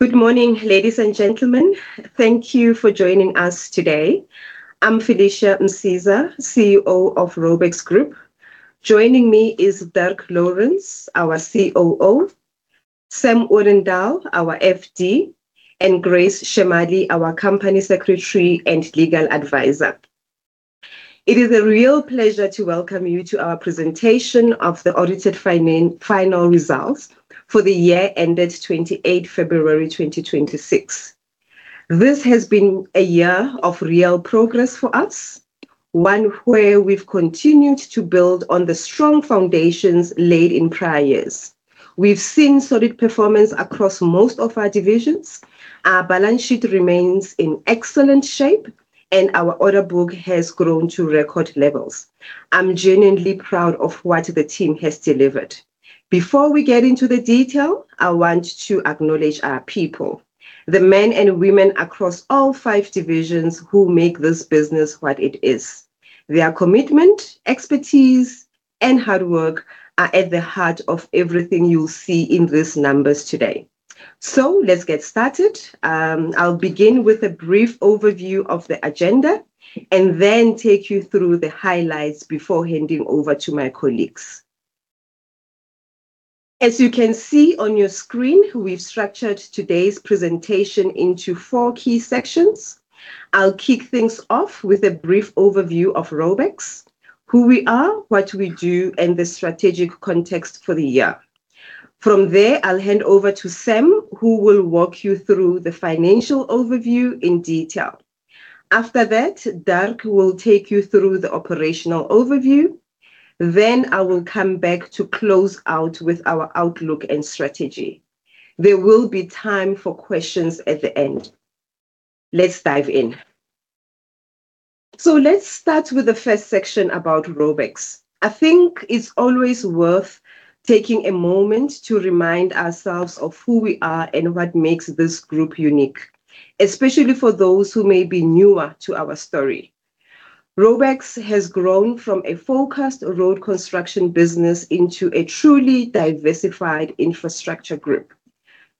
Good morning, ladies and gentlemen. Thank you for joining us today. I'm Felicia Msiza, CEO of Raubex Group. Joining me is Dirk Lourens, our COO; Sam Odendaal, our FD; and Grace Chemaly, our Company Secretary and Legal Advisor. It is a real pleasure to welcome you to our presentation of the audited final results for the year ended 28th February 2026. This has been a year of real progress for us, one where we've continued to build on the strong foundations laid in prior years. We've seen solid performance across most of our divisions. Our balance sheet remains in excellent shape, and our order book has grown to record levels. I'm genuinely proud of what the team has delivered. Before we get into the detail, I want to acknowledge our people, the men and women across all five divisions who make this business what it is. Their commitment, expertise, and hard work are at the heart of everything you'll see in these numbers today. Let's get started. I'll begin with a brief overview of the agenda and then take you through the highlights before handing over to my colleagues. As you can see on your screen, we've structured today's presentation into four key sections. I'll kick things off with a brief overview of Raubex, who we are, what we do, and the strategic context for the year. From there, I'll hand over to Sam, who will walk you through the financial overview in detail. After that, Dirk will take you through the operational overview. I will come back to close out with our outlook and strategy. There will be time for questions at the end. Let's dive in. Let's start with the first section about Raubex. I think it's always worth taking a moment to remind ourselves of who we are and what makes this group unique, especially for those who may be newer to our story. Raubex has grown from a focused road construction business into a truly diversified infrastructure group.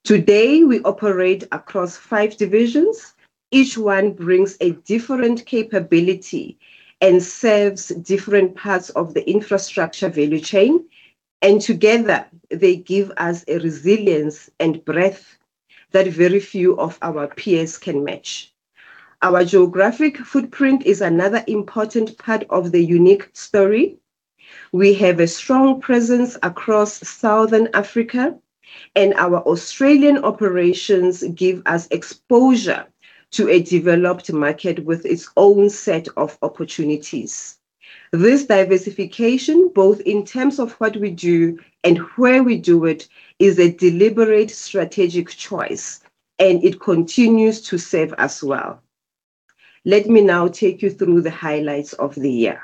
Today, we operate across five divisions. Each one brings a different capability and serves different parts of the infrastructure value chain, and together they give us a resilience and breadth that very few of our peers can match. Our geographic footprint is another important part of the unique story. We have a strong presence across Southern Africa, and our Australian operations give us exposure to a developed market with its own set of opportunities. This diversification, both in terms of what we do and where we do it, is a deliberate strategic choice, and it continues to serve us well. Let me now take you through the highlights of the year.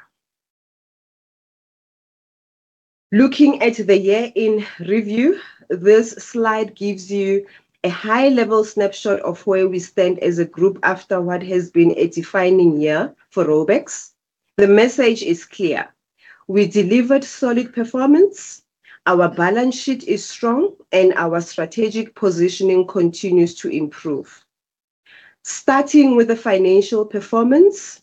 Looking at the year in review, this slide gives you a high-level snapshot of where we stand as a group after what has been a defining year for Raubex. The message is clear. We delivered solid performance. Our balance sheet is strong, and our strategic positioning continues to improve. Starting with the financial performance,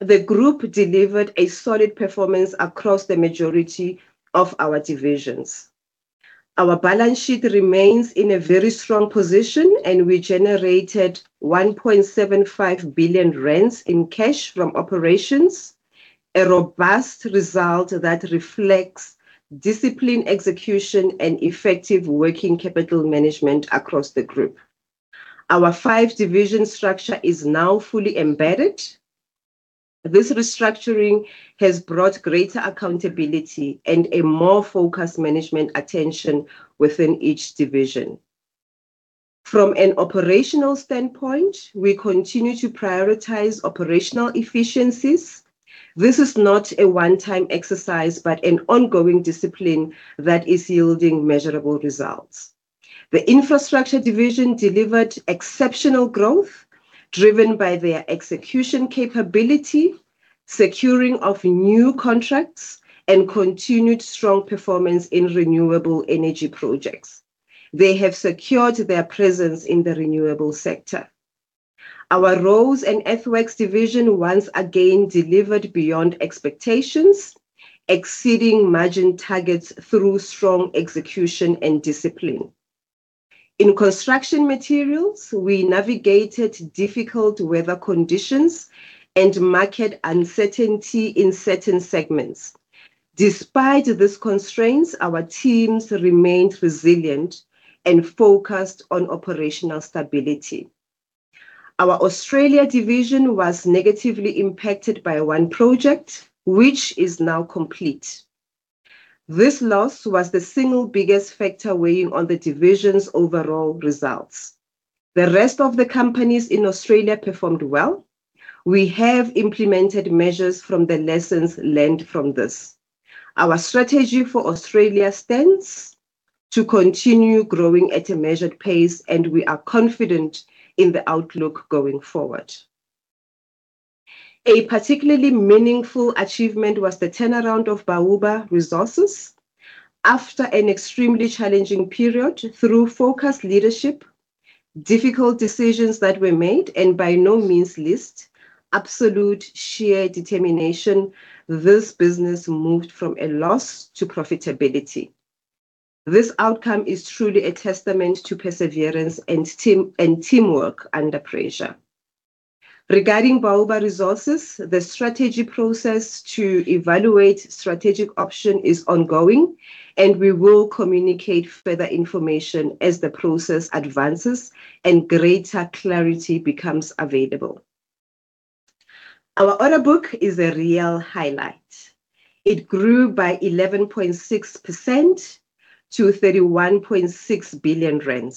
the group delivered a solid performance across the majority of our divisions. Our balance sheet remains in a very strong position, and we generated 1.75 billion rand in cash from operations, a robust result that reflects disciplined execution and effective working capital management across the group. Our five-division structure is now fully embedded. This restructuring has brought greater accountability and a more focused management attention within each division. From an operational standpoint, we continue to prioritize operational efficiencies. This is not a one-time exercise but an ongoing discipline that is yielding measurable results. The Infrastructure division delivered exceptional growth driven by their execution capability, securing of new contracts, and continued strong performance in renewable energy projects. They have secured their presence in the renewable sector. Our Roads and Earthworks division once again delivered beyond expectations, exceeding margin targets through strong execution and discipline. In Construction Materials, we navigated difficult weather conditions and market uncertainty in certain segments. Despite these constraints, our teams remained resilient and focused on operational stability. Our Australia division was negatively impacted by one project, which is now complete. This loss was the single biggest factor weighing on the division's overall results. The rest of the companies in Australia performed well. We have implemented measures from the lessons learned from this. Our strategy for Australia stands to continue growing at a measured pace. We are confident in the outlook going forward. A particularly meaningful achievement was the turnaround of Bauba Resources. After an extremely challenging period, through focused leadership, difficult decisions that were made, and by no means least, absolute sheer determination, this business moved from a loss to profitability. This outcome is truly a testament to perseverance and teamwork under pressure. Regarding Bauba Resources, the strategy process to evaluate strategic option is ongoing. We will communicate further information as the process advances and greater clarity becomes available. Our order book is a real highlight. It grew by 11.6% to 31.6 billion rand.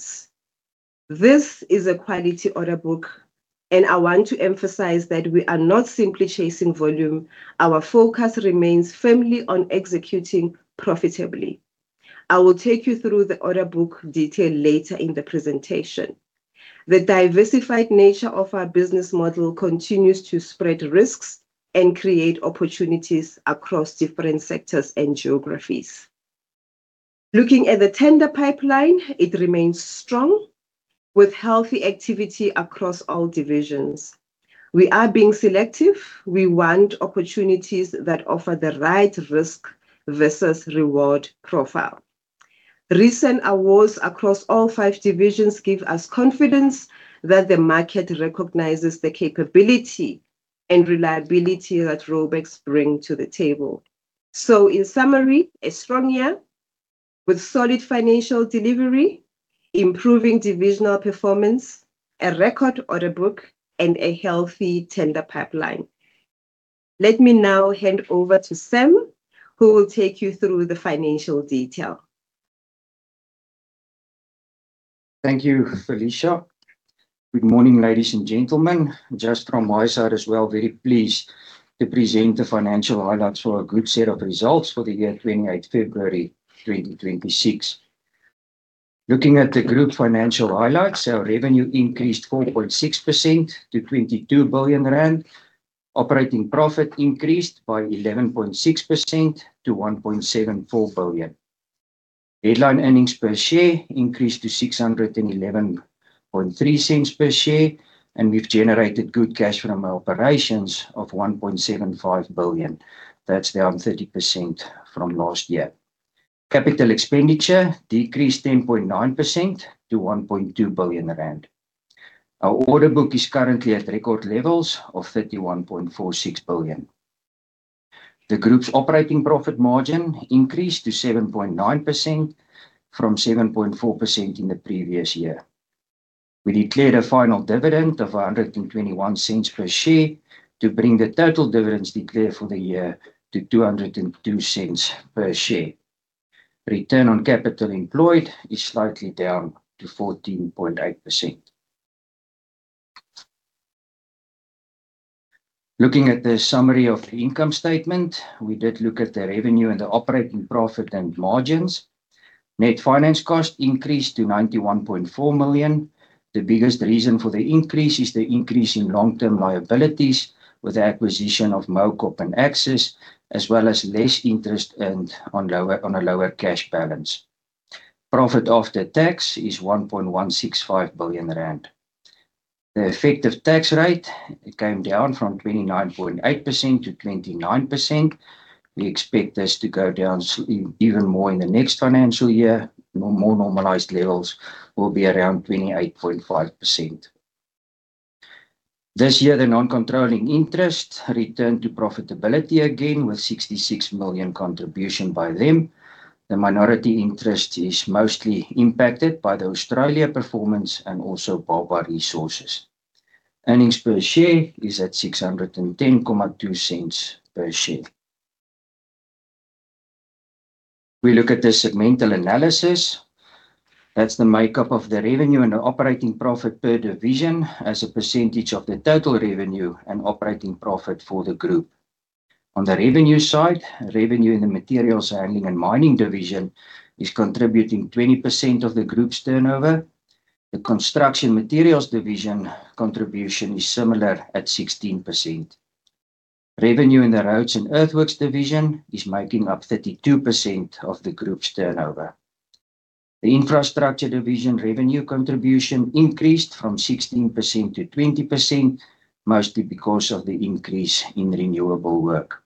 This is a quality order book. I want to emphasize that we are not simply chasing volume. Our focus remains firmly on executing profitably. I will take you through the order book detail later in the presentation. The diversified nature of our business model continues to spread risks and create opportunities across different sectors and geographies. Looking at the tender pipeline, it remains strong with healthy activity across all divisions. We are being selective. We want opportunities that offer the right risk versus reward profile. Recent awards across all five divisions give us confidence that the market recognizes the capability and reliability that Raubex bring to the table. In summary, a strong year with solid financial delivery, improving divisional performance, a record order book and a healthy tender pipeline. Let me now hand over to Sam, who will take you through the financial detail. Thank you, Felicia. Good morning, ladies and gentlemen. Just from my side as well, very pleased to present the financial highlights for a good set of results for the year to 28th February 2026. Looking at the Group financial highlights, our revenue increased 4.6% to 22 billion rand. Operating profit increased by 11.6% to 1.74 billion. Headline earnings per share increased to 6.113 per share, and we've generated good cash from operations of 1.75 billion. That's down 30% from last year. Capital expenditure decreased 10.9% to 1.2 billion rand. Our order book is currently at record levels of 31.46 billion. The Group's operating profit margin increased to 7.9% from 7.4% in the previous year. We declared a final dividend of 1.21 per share to bring the total dividends declared for the year to 2.02 per share. Return on capital employed is slightly down to 14.8%. Looking at the summary of the income statement, we did look at the revenue and the operating profit and margins. Net finance cost increased to 91.4 million. The biggest reason for the increase is the increase in long-term liabilities with the acquisition of Mowcop and Axis, as well as less interest earned on a lower cash balance. Profit after tax is 1.165 billion rand. The effective tax rate came down from 29.8% to 29%. We expect this to go down even more in the next financial year. More normalized levels will be around 28.5%. This year, the non-controlling interest returned to profitability again with 66 million contribution by them. The minority interest is mostly impacted by the Australia performance and also Bauba Resources. Earnings per share is at 6.102 per share. If we look at the segmental analysis, that's the makeup of the revenue and the operating profit per division as a percentage of the total revenue and operating profit for the group. On the revenue side, revenue in the Materials Handling and Mining division is contributing 20% of the group's turnover. The construction materials division contribution is similar at 16%. Revenue in the Roads and Earthworks division is making up 32% of the group's turnover. The Infrastructure division revenue contribution increased from 16% to 20%, mostly because of the increase in renewable work.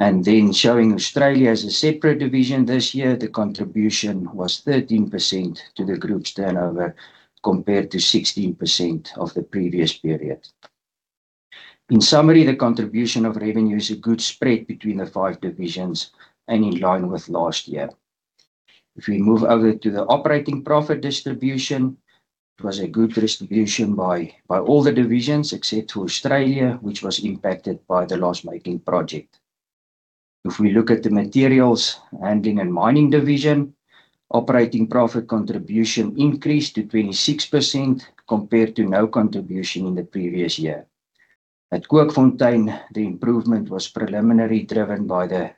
Showing Australia as a separate division this year, the contribution was 13% to the group's turnover, compared to 16% of the previous period. In summary, the contribution of revenue is a good spread between the five divisions and in line with last year. If we move over to the operating profit distribution, it was a good distribution by all the divisions except for Australia, which was impacted by the loss-making project. If we look at the Materials Handling and Mining division, operating profit contribution increased to 26% compared to no contribution in the previous year. At Kookfontein, the improvement was preliminary driven by the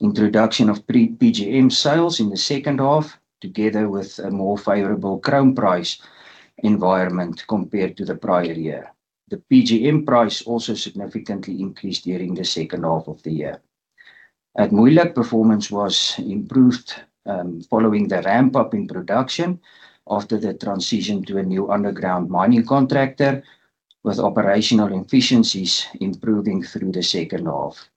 introduction of pre-PGM sales in the second half, together with a more favorable chrome price environment compared to the prior year. The PGM price also significantly increased during the second half of the year. At Moeijelijk, performance was improved, following the ramp-up in production after the transition to a new underground mining contractor, with operational efficiencies improving through the second half.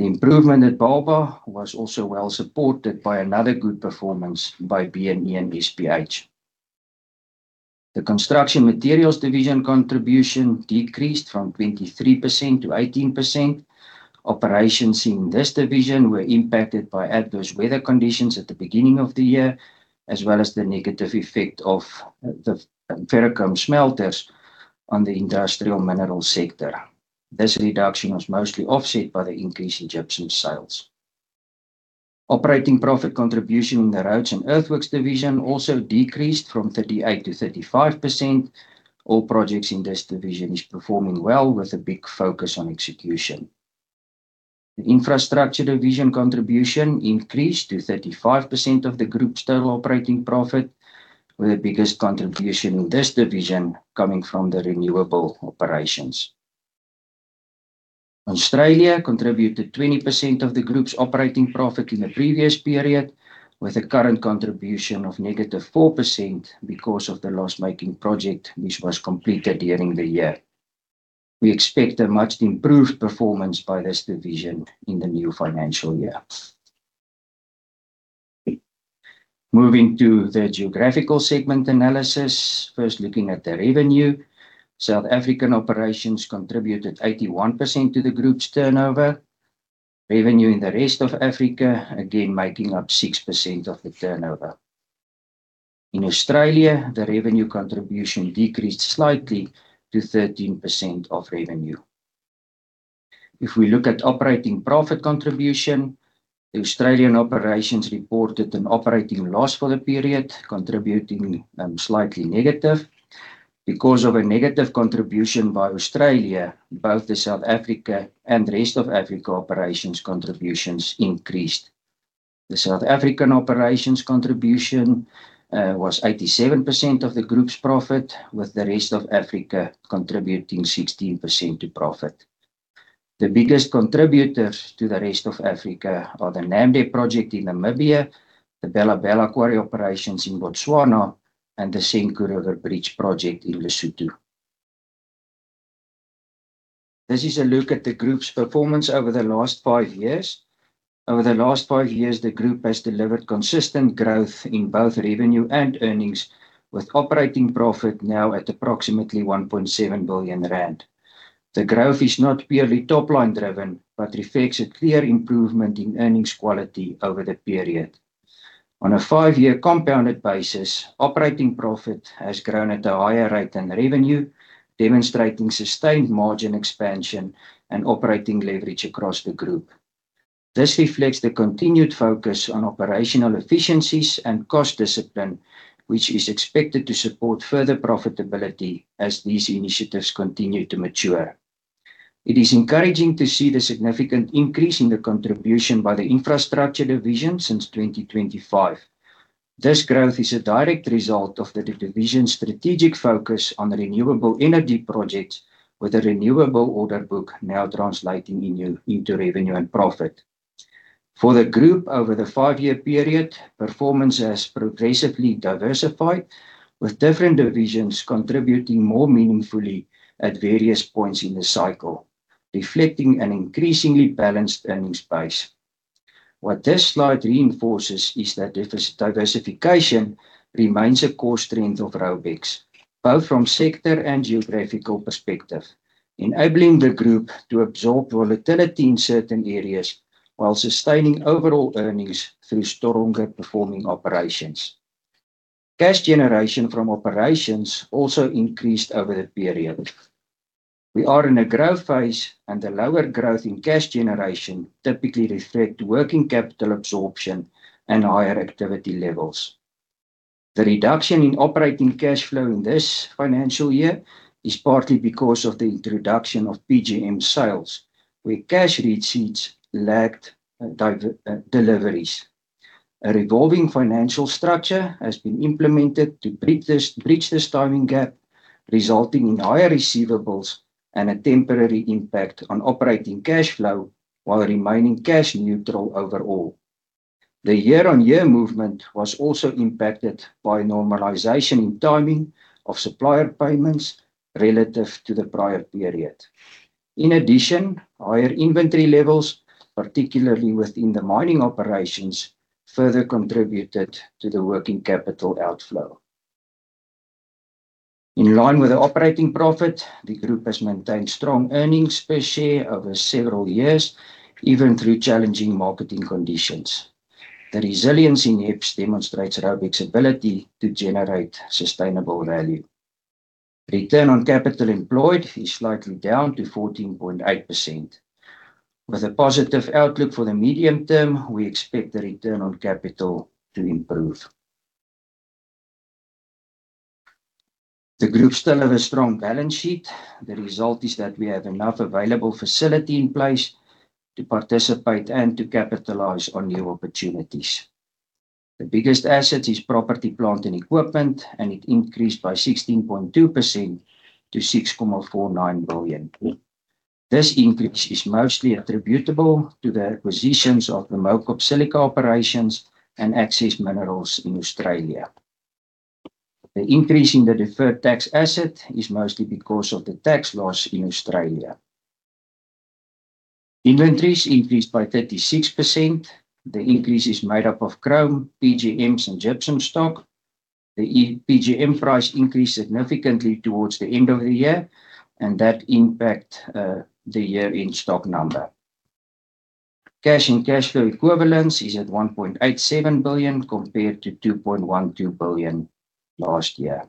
The improvement at Bauba was also well supported by another good performance by B&E and SPH. The Construction Materials division contribution decreased from 23% to 18%. Operations in this division were impacted by adverse weather conditions at the beginning of the year, as well as the negative effect of the ferrochrome smelters on the industrial minerals sector. This reduction was mostly offset by the increase in gypsum sales. Operating profit contribution in the Roads and Earthworks division also decreased from 38% to 35%. All projects in this division is performing well, with a big focus on execution. The Infrastructure division contribution increased to 35% of the group's total operating profit, with the biggest contribution in this division coming from the renewable operations. Australia contributed 20% of the group's operating profit in the previous period, with a current contribution of -4% because of the loss-making project which was completed during the year. We expect a much improved performance by this division in the new financial year. Moving to the geographical segment analysis. First looking at the revenue. South African operations contributed 81% to the group's turnover. Revenue in the rest of Africa again making up 6% of the turnover. In Australia, the revenue contribution decreased slightly to 13% of revenue. If we look at operating profit contribution, the Australian operations reported an operating loss for the period, contributing slightly negative. Because of a negative contribution by Australia, both the South Africa and rest of Africa operations contributions increased. The South African operations contribution was 87% of the group's profit, with the rest of Africa contributing 16% to profit. The biggest contributors to the rest of Africa are the Namdeb project in Namibia, the Belabela quarry operations in Botswana, and the Senqu River Bridge project in Lesotho. This is a look at the group's performance over the last five years. Over the last five years, the group has delivered consistent growth in both revenue and earnings, with operating profit now at approximately 1.7 billion rand. The growth is not purely top-line driven, but reflects a clear improvement in earnings quality over the period. On a five-year compounded basis, operating profit has grown at a higher rate than revenue, demonstrating sustained margin expansion and operating leverage across the group. This reflects the continued focus on operational efficiencies and cost discipline, which is expected to support further profitability as these initiatives continue to mature. It is encouraging to see the significant increase in the contribution by the Infrastructure division since 2025. This growth is a direct result of the division's strategic focus on renewable energy projects, with the renewable order book now translating into revenue and profit. For the group, over the five-year period, performance has progressively diversified, with different divisions contributing more meaningfully at various points in the cycle, reflecting an increasingly balanced earnings base. What this slide reinforces is that diversification remains a core strength of Raubex, both from sector and geographical perspective, enabling the group to absorb volatility in certain areas while sustaining overall earnings through stronger performing operations. Cash generation from operations also increased over the period. The lower growth in cash generation typically reflect working capital absorption and higher activity levels. The reduction in operating cash flow in this financial year is partly because of the introduction of PGM sales, where cash receipts lagged deliveries. A revolving financial structure has been implemented to bridge this timing gap, resulting in higher receivables and a temporary impact on operating cash flow while remaining cash neutral overall. The year-on-year movement was also impacted by normalization in timing of supplier payments relative to the prior period. In addition, higher inventory levels, particularly within the mining operations, further contributed to the working capital outflow. In line with the operating profit, the group has maintained strong earnings per share over several years, even through challenging market conditions. The resilience in EPS demonstrates Raubex's ability to generate sustainable value. Return on capital employed is slightly down to 14.8%. With a positive outlook for the medium term, we expect the return on capital to improve. The group still have a strong balance sheet. The result is that we have enough available facility in place to participate and to capitalize on new opportunities. The biggest asset is property, plant and equipment, and it increased by 16.2% to 6.49 billion. This increase is mostly attributable to the acquisitions of the Mowcop Silica operations and Axis Mineral Services in Australia. The increase in the deferred tax asset is mostly because of the tax loss in Australia. Inventories increased by 36%. The increase is made up of chrome, PGMs and gypsum stock. The PGM price increased significantly towards the end of the year, and that impact the year-end stock number. Cash and cash flow equivalents is at 1.87 billion compared to 2.12 billion last year.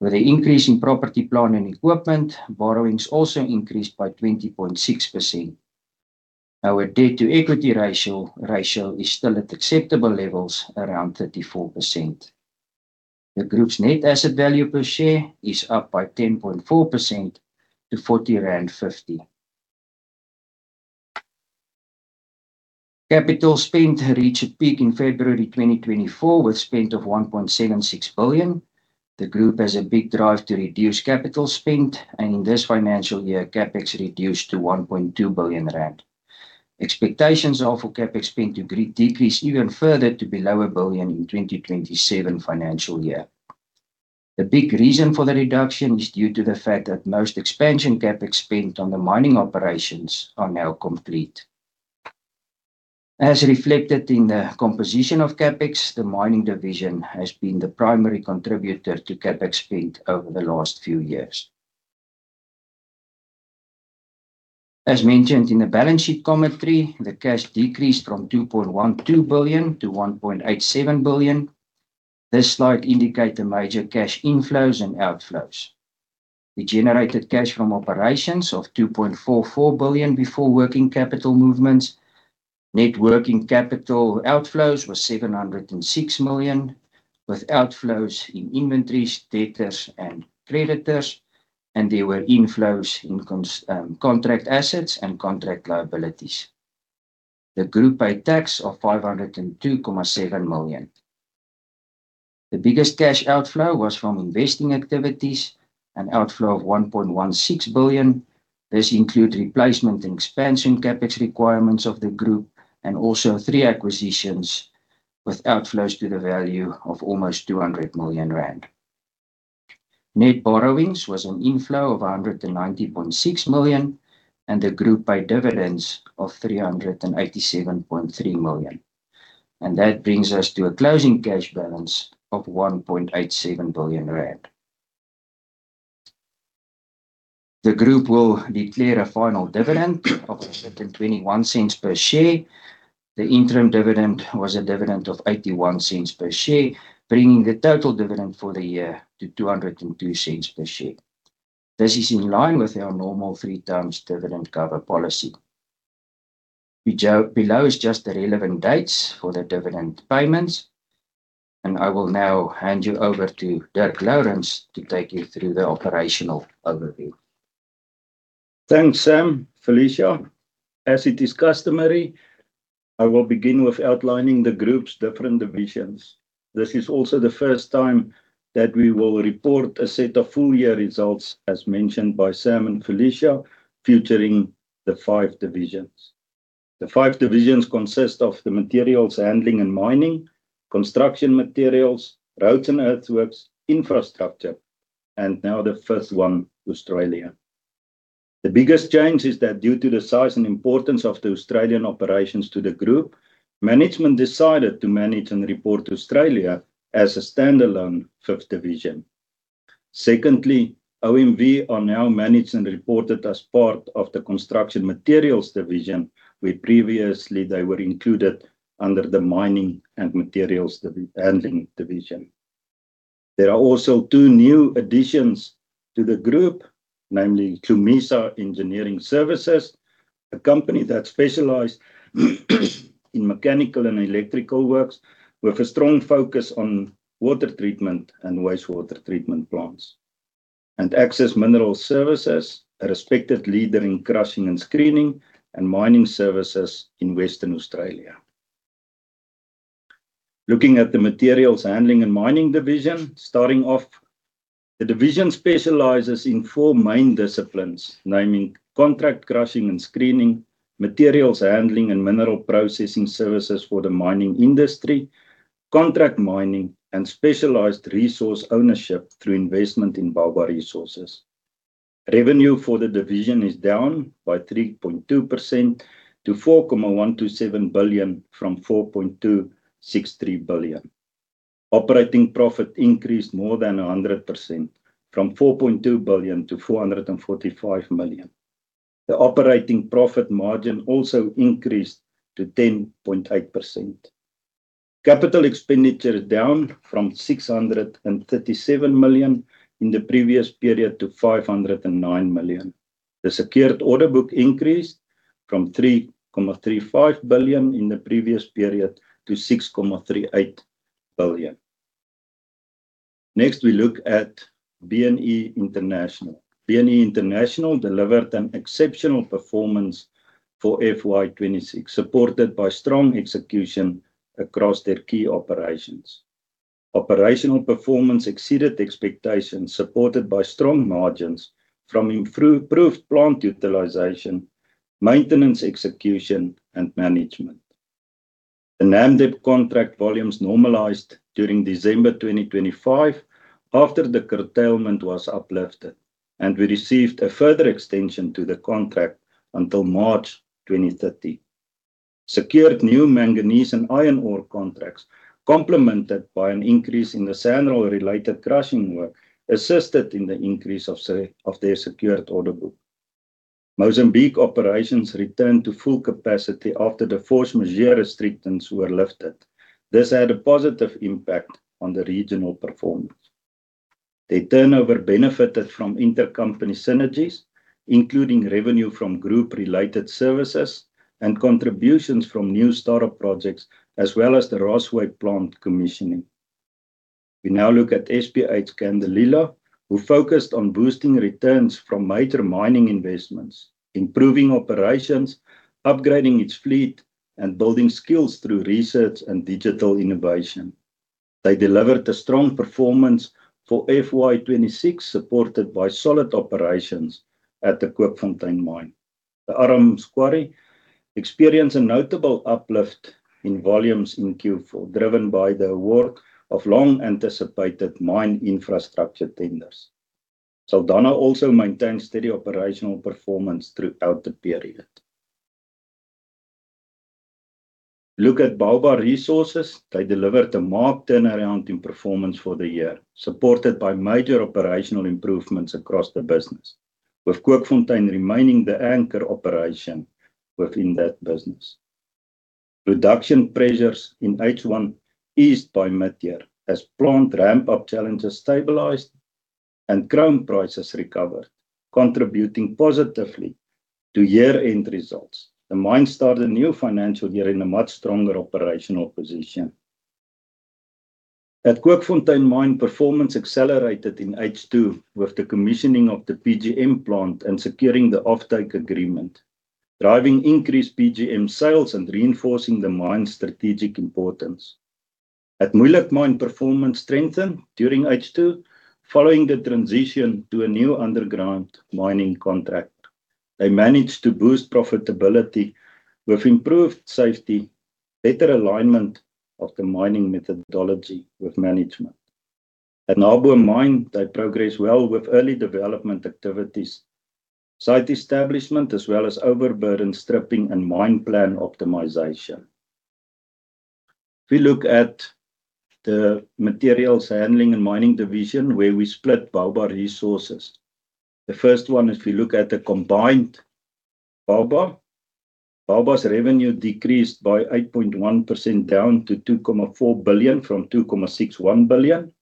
With the increase in property, plant and equipment, borrowings also increased by 20.6%. Our debt-to-equity ratio is still at acceptable levels, around 34%. The group's net asset value per share is up by 10.4% to 40.50. Capital spend reached a peak in February 2024 with spend of 1.76 billion. The group has a big drive to reduce capital spend. In this financial year, CapEx reduced to 1.2 billion rand. Expectations are for CapEx spend to decrease even further to below 1 billion in FY 2027. The big reason for the reduction is due to the fact that most expansion CapEx spend on the mining operations are now complete. As reflected in the composition of CapEx, the Mining division has been the primary contributor to CapEx spend over the last few years. As mentioned in the balance sheet commentary, the cash decreased from 2.12 billion to 1.87 billion. This slide indicate the major cash inflows and outflows. We generated cash from operations of 2.44 billion before working capital movements. Net working capital outflows was 706 million, with outflows in inventories, debtors and creditors, and there were inflows in contract assets and contract liabilities. The group paid tax of 502.7 million. The biggest cash outflow was from investing activities, an outflow of 1.16 billion. This include replacement and expansion CapEx requirements of the group, and also three acquisitions with outflows to the value of almost 200 million rand. Net borrowings was an inflow of 190.6 million, and the group paid dividends of 387.3 million. That brings us to a closing cash balance of 1.87 billion rand. The group will declare a final dividend of 0.21 per share. The interim dividend was a dividend of 0.81 per share, bringing the total dividend for the year to 2.02 per share. This is in line with our normal 3x dividend cover policy. Below is just the relevant dates for the dividend payments. I will now hand you over to Dirk Lourens to take you through the operational overview. Thanks, Sam, Felicia. As it is customary, I will begin with outlining the group's different divisions. This is also the first time that we will report a set of full-year results, as mentioned by Sam and Felicia, featuring the five divisions. The five divisions consist of the Materials Handling and Mining, Construction Materials, Roads and Earthworks, Infrastructure, and now the fifth one, Australia. The biggest change is that due to the size and importance of the Australian operations to the group, management decided to manage and report Australia as a standalone fifth division. Secondly, OMV are now managed and reported as part of the construction materials division, where previously they were included under the Mining and Materials Handling division. There are also two new additions to the group, namely Hlumisa Engineering Services, a company that specialize in mechanical and electrical works with a strong focus on water treatment and wastewater treatment plants. Axis Mineral Services, a respected leader in crushing and screening and mining services in Western Australia. Looking at the Materials Handling and Mining division, starting off, the division specializes in four main disciplines, namely contract crushing and screening, Materials Handling and mineral processing services for the mining industry, contract mining and specialized resource ownership through investment in Bauba Resources. Revenue for the division is down by 3.2% to 4.127 billion from 4.263 billion. Operating profit increased more than 100% from 4.2 billion to 445 million. The operating profit margin also increased to 10.8%. CapEx is down from 637 million in the previous period to 509 million. The secured order book increased from 3.35 billion in the previous period to 6.38 billion. Next, we look at B&E International. B&E International delivered an exceptional performance for FY 2026, supported by strong execution across their key operations. Operational performance exceeded expectations, supported by strong margins from improved plant utilization, maintenance execution and management. The Namdeb contract volumes normalized during December 2025 after the curtailment was uplifted and we received a further extension to the contract until March 2030. Secured new manganese and iron ore contracts, complemented by an increase in the SANRAL-related crushing work, assisted in the increase of their secured order book. Mozambique operations returned to full capacity after the force majeure restrictions were lifted. This had a positive impact on the regional performance. Their turnover benefited from intercompany synergies, including revenue from group-related services and contributions from new start-up projects, as well as the Rossway plant commissioning. We now look at SPH Kundalila, who focused on boosting returns from major mining investments, improving operations, upgrading its fleet and building skills through research and digital innovation. They delivered a strong performance for FY 2026, supported by solid operations at the Kookfontein Mine. The Aroams quarry experienced a notable uplift in volumes in Q4, driven by the award of long-anticipated mine infrastructure tenders. Saldanha also maintained steady operational performance throughout the period. Look at Bauba Resources. They delivered a marked turnaround in performance for the year, supported by major operational improvements across the business, with Kookfontein remaining the anchor operation within that business. Production pressures in H1 eased by mid-year as plant ramp-up challenges stabilized and chrome prices recovered, contributing positively to year-end results. The mine started a new financial year in a much stronger operational position. At Kookfontein Mine, performance accelerated in H2 with the commissioning of the PGM plant and securing the offtake agreement, driving increased PGM sales and reinforcing the mine's strategic importance. At Moeijelijk Mine, performance strengthened during H2 following the transition to a new underground mining contract. They managed to boost profitability with improved safety, better alignment of the mining methodology with management. At Naboom Mine, they progressed well with early development activities, site establishment as well as overburden stripping and mine plan optimization. We look at the Materials Handling and Mining division, where we split Bauba Resources. The first one, we look at the combined Bauba. Bauba's revenue decreased by 8.1% down to 2.4 billion from 2.61 billion.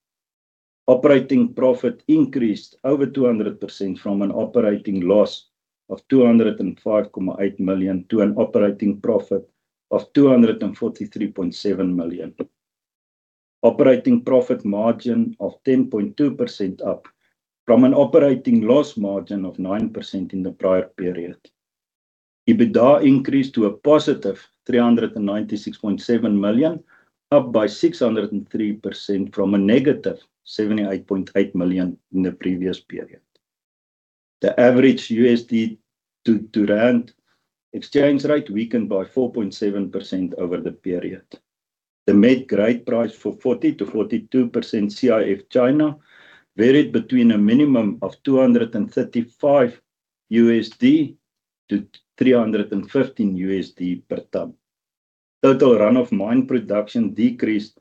Operating profit increased over 200% from an operating loss of 205.8 million to an operating profit of 243.7 million. Operating profit margin of 10.2% up from an operating loss margin of 9% in the prior period. EBITDA increased to a +396.7 million, up by 603% from a -78.8 million in the previous period. The average USD to ZAR exchange rate weakened by 4.7% over the period. The met grade price for 40%-42% CIF China varied between a minimum of 235-315 USD per tonne. Total run-of-mine production decreased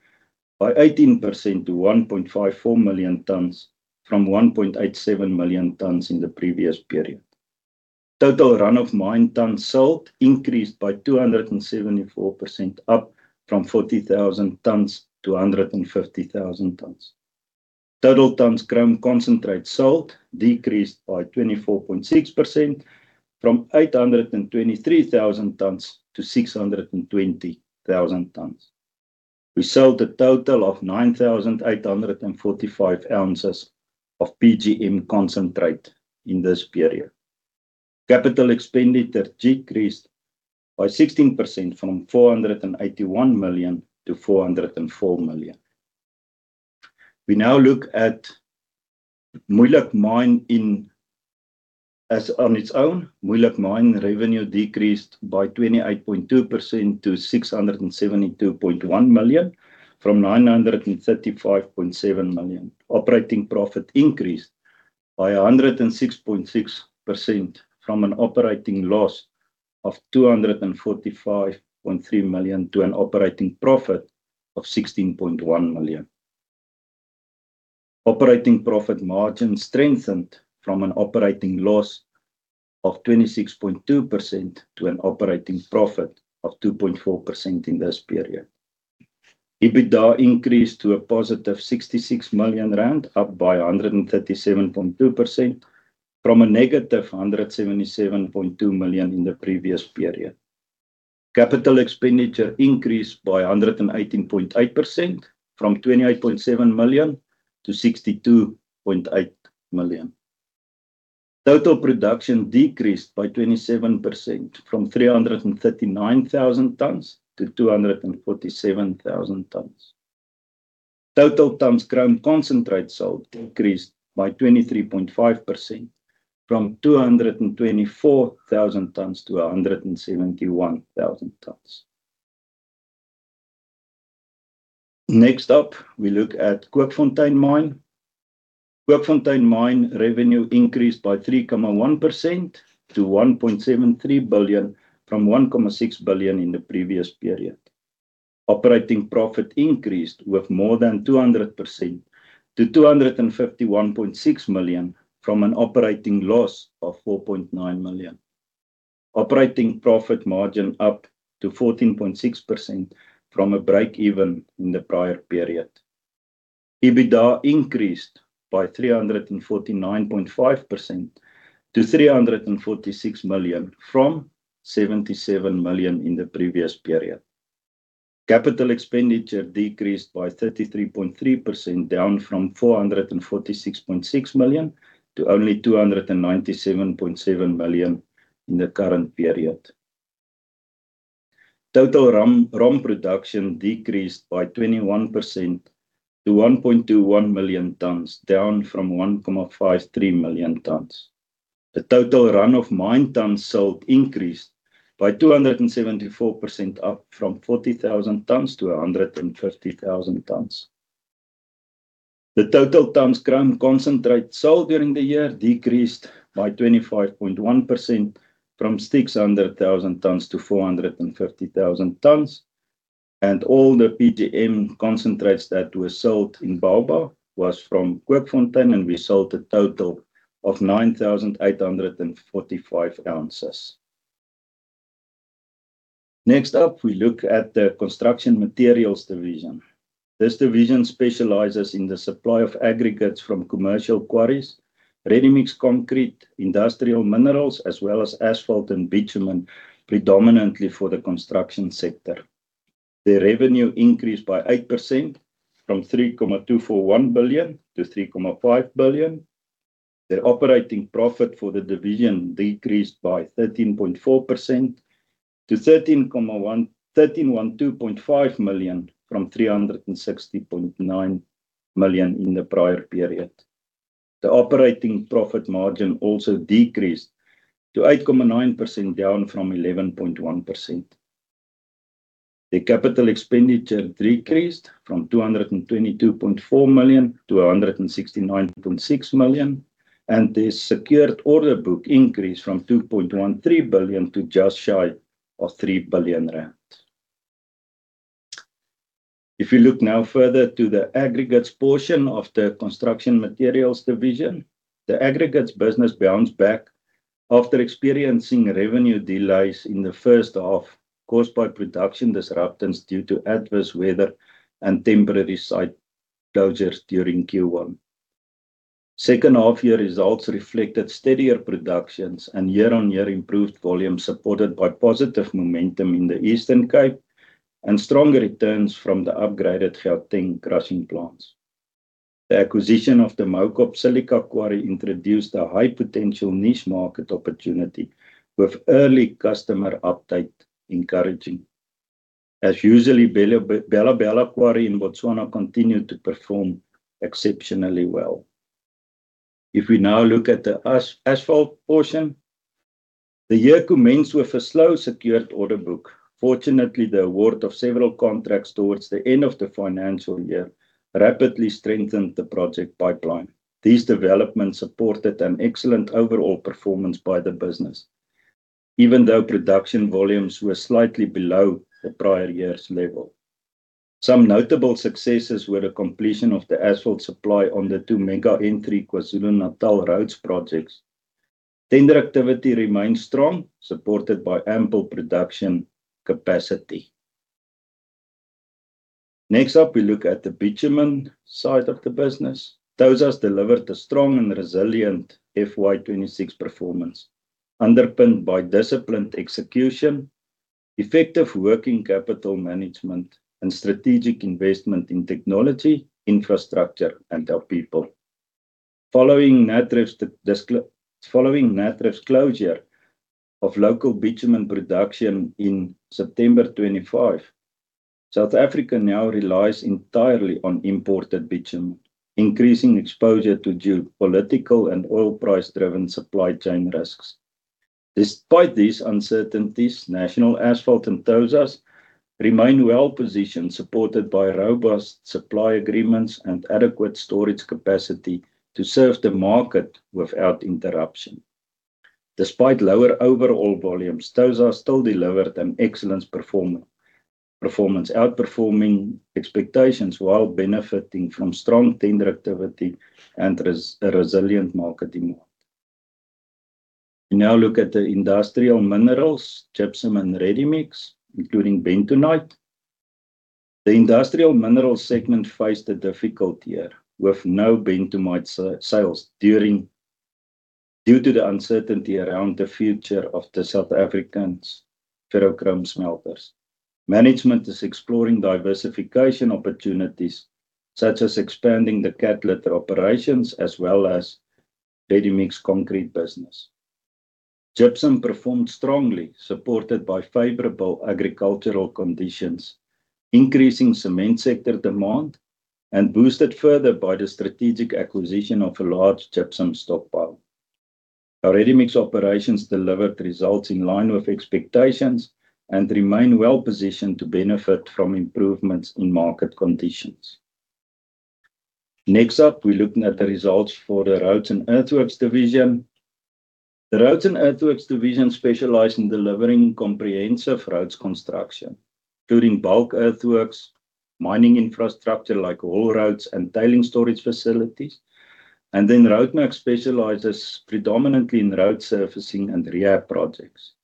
by 18% to 1.54 million tonnes from 1.87 million tonnes in the previous period. Total run-of-mine tonnes sold increased by 274% up from 40,000 tonnes to 150,000 tonnes. Total tonnes chrome concentrate sold decreased by 24.6% from 823,000 tonnes to 620,000 tonnes. We sold a total of 9,845 oz of PGM concentrate in this period. Capital expenditure decreased by 16% from 481 million to 404 million. We now look at Moeijelijk Mine in as on its own. Moeijelijk Mine revenue decreased by 28.2% to 672.1 million from 935.7 million. Operating profit increased by 106.6% from an operating loss of 245.3 million to an operating profit of 16.1 million. Operating profit margin strengthened from an operating loss of 26.2% to an operating profit of 2.4% in this period. EBITDA increased to a +66 million rand up by 137.2% from a -177.2 million in the previous period. Capital expenditure increased by 118.8% from 28.7 million to 62.8 million. Total production decreased by 27% from 339,000 tonnes to 247,000 tonnes. Total tonnes chrome concentrate sold decreased by 23.5% from 224,000 tonnes to 171,000 tonnes. Next up, we look at Kookfontein Mine. Kookfontein Mine revenue increased by 3.1% to 1.73 billion from 1.6 billion in the previous period. Operating profit increased with more than 200% to 251.6 million from an operating loss of 4.9 million. Operating profit margin up to 14.6% from a break-even in the prior period. EBITDA increased by 349.5% to 346 million from 77 million in the previous period. Capital expenditure decreased by 33.3% down from 446.6 million to only 297.7 million in the current period. Total run-of-mine production decreased by 21% to 1.21 million tonnes, down from 1.53 million tonnes. The total run of mine tonnes sold increased by 274% up from 40,000 tonnes to 150,000 tonnes. The total tonnes chrome concentrate sold during the year decreased by 25.1% from 600,000 tonnes to 450,000 tonnes. All the PGM concentrates that were sold in Bauba was from Kookfontein and resulted total of 9,845 oz. Next up, we look at the construction materials division. This division specializes in the supply of aggregates from commercial quarries, ready-mix concrete, industrial minerals, as well as asphalt and bitumen, predominantly for the construction sector. The revenue increased by 8% from 3.241 billion to 3.5 billion. The operating profit for the division decreased by 13.4% to 312.5 million from 360.9 million in the prior period. The operating profit margin also decreased to 8.9% down from 11.1%. The capital expenditure decreased from 222.4 million to 169.6 million, and the secured order book increased from 2.13 billion to just shy of 3 billion rand. If you look now further to the aggregates portion of the construction materials division, the aggregates business bounced back after experiencing revenue delays in the first half caused by production disruptions due to adverse weather and temporary site closures during Q1. Second half-year results reflected steadier productions and year-on-year improved volumes supported by positive momentum in the Eastern Cape and stronger returns from the upgraded Gauteng crushing plants. The acquisition of the Mowcop Silica Quarry introduced a high potential niche market opportunity with early customer uptake encouraging. As usual, Belabela Quarry in Botswana continued to perform exceptionally well. If we now look at the asphalt portion, the year commenced with a slow secured order book. Fortunately, the award of several contracts towards the end of the financial year rapidly strengthened the project pipeline. These developments supported an excellent overall performance by the business, even though production volumes were slightly below the prior year's level. Some notable successes were the completion of the asphalt supply on the two mega N3 KwaZulu-Natal roads projects. Tender activity remains strong, supported by ample production capacity. Next up, we look at the bitumen side of the business. Tosas delivered a strong and resilient FY 2026 performance, underpinned by disciplined execution, effective working capital management and strategic investment in technology, infrastructure, and our people. Following Natref's closure of local bitumen production in September 2025, South Africa now relies entirely on imported bitumen, increasing exposure to geopolitical and oil price-driven supply chain risks. Despite these uncertainties, National Asphalt and Tosas remain well-positioned, supported by robust supply agreements and adequate storage capacity to serve the market without interruption. Despite lower overall volumes, Tosas still delivered an excellent performance, outperforming expectations while benefiting from strong tender activity and a resilient market demand. We now look at the industrial minerals, gypsum and ready-mix, including bentonite. The industrial minerals segment faced a difficult year, with no bentonite sales due to the uncertainty around the future of the South African ferrochrome smelters. Management is exploring diversification opportunities, such as expanding the cat litter operations as well as ready-mix concrete business. Gypsum performed strongly, supported by favorable agricultural conditions, increasing cement sector demand, and boosted further by the strategic acquisition of a large gypsum stockpile. Our ready-mix operations delivered results in line with expectations, remain well-positioned to benefit from improvements in market conditions. Next up, we're looking at the results for the Roads and Earthworks division. The Roads and Earthworks division specialize in delivering comprehensive roads construction, including bulk earthworks, mining infrastructure like haul roads and tailing storage facilities. Roadmac specializes predominantly in road surfacing and rehab projects.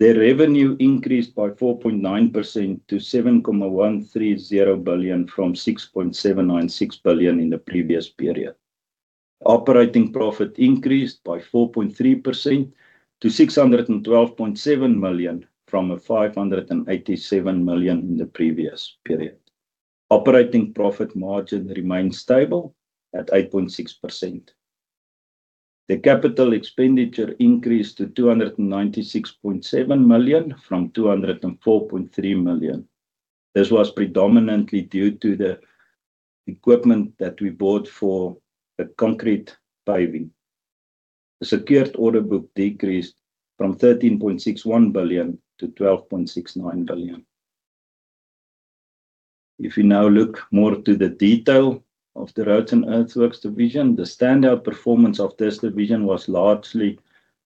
Their revenue increased by 4.9% to 7.130 billion from 6.796 billion in the previous period. Operating profit increased by 4.3% to 612.7 million from 587 million in the previous period. Operating profit margin remains stable at 8.6%. The capital expenditure increased to 296.7 million from 204.3 million. This was predominantly due to the equipment that we bought for the concrete paving. The secured order book decreased from 13.61 billion to 12.69 billion. If you now look more to the detail of the Roads and Earthworks division, the standout performance of this division was largely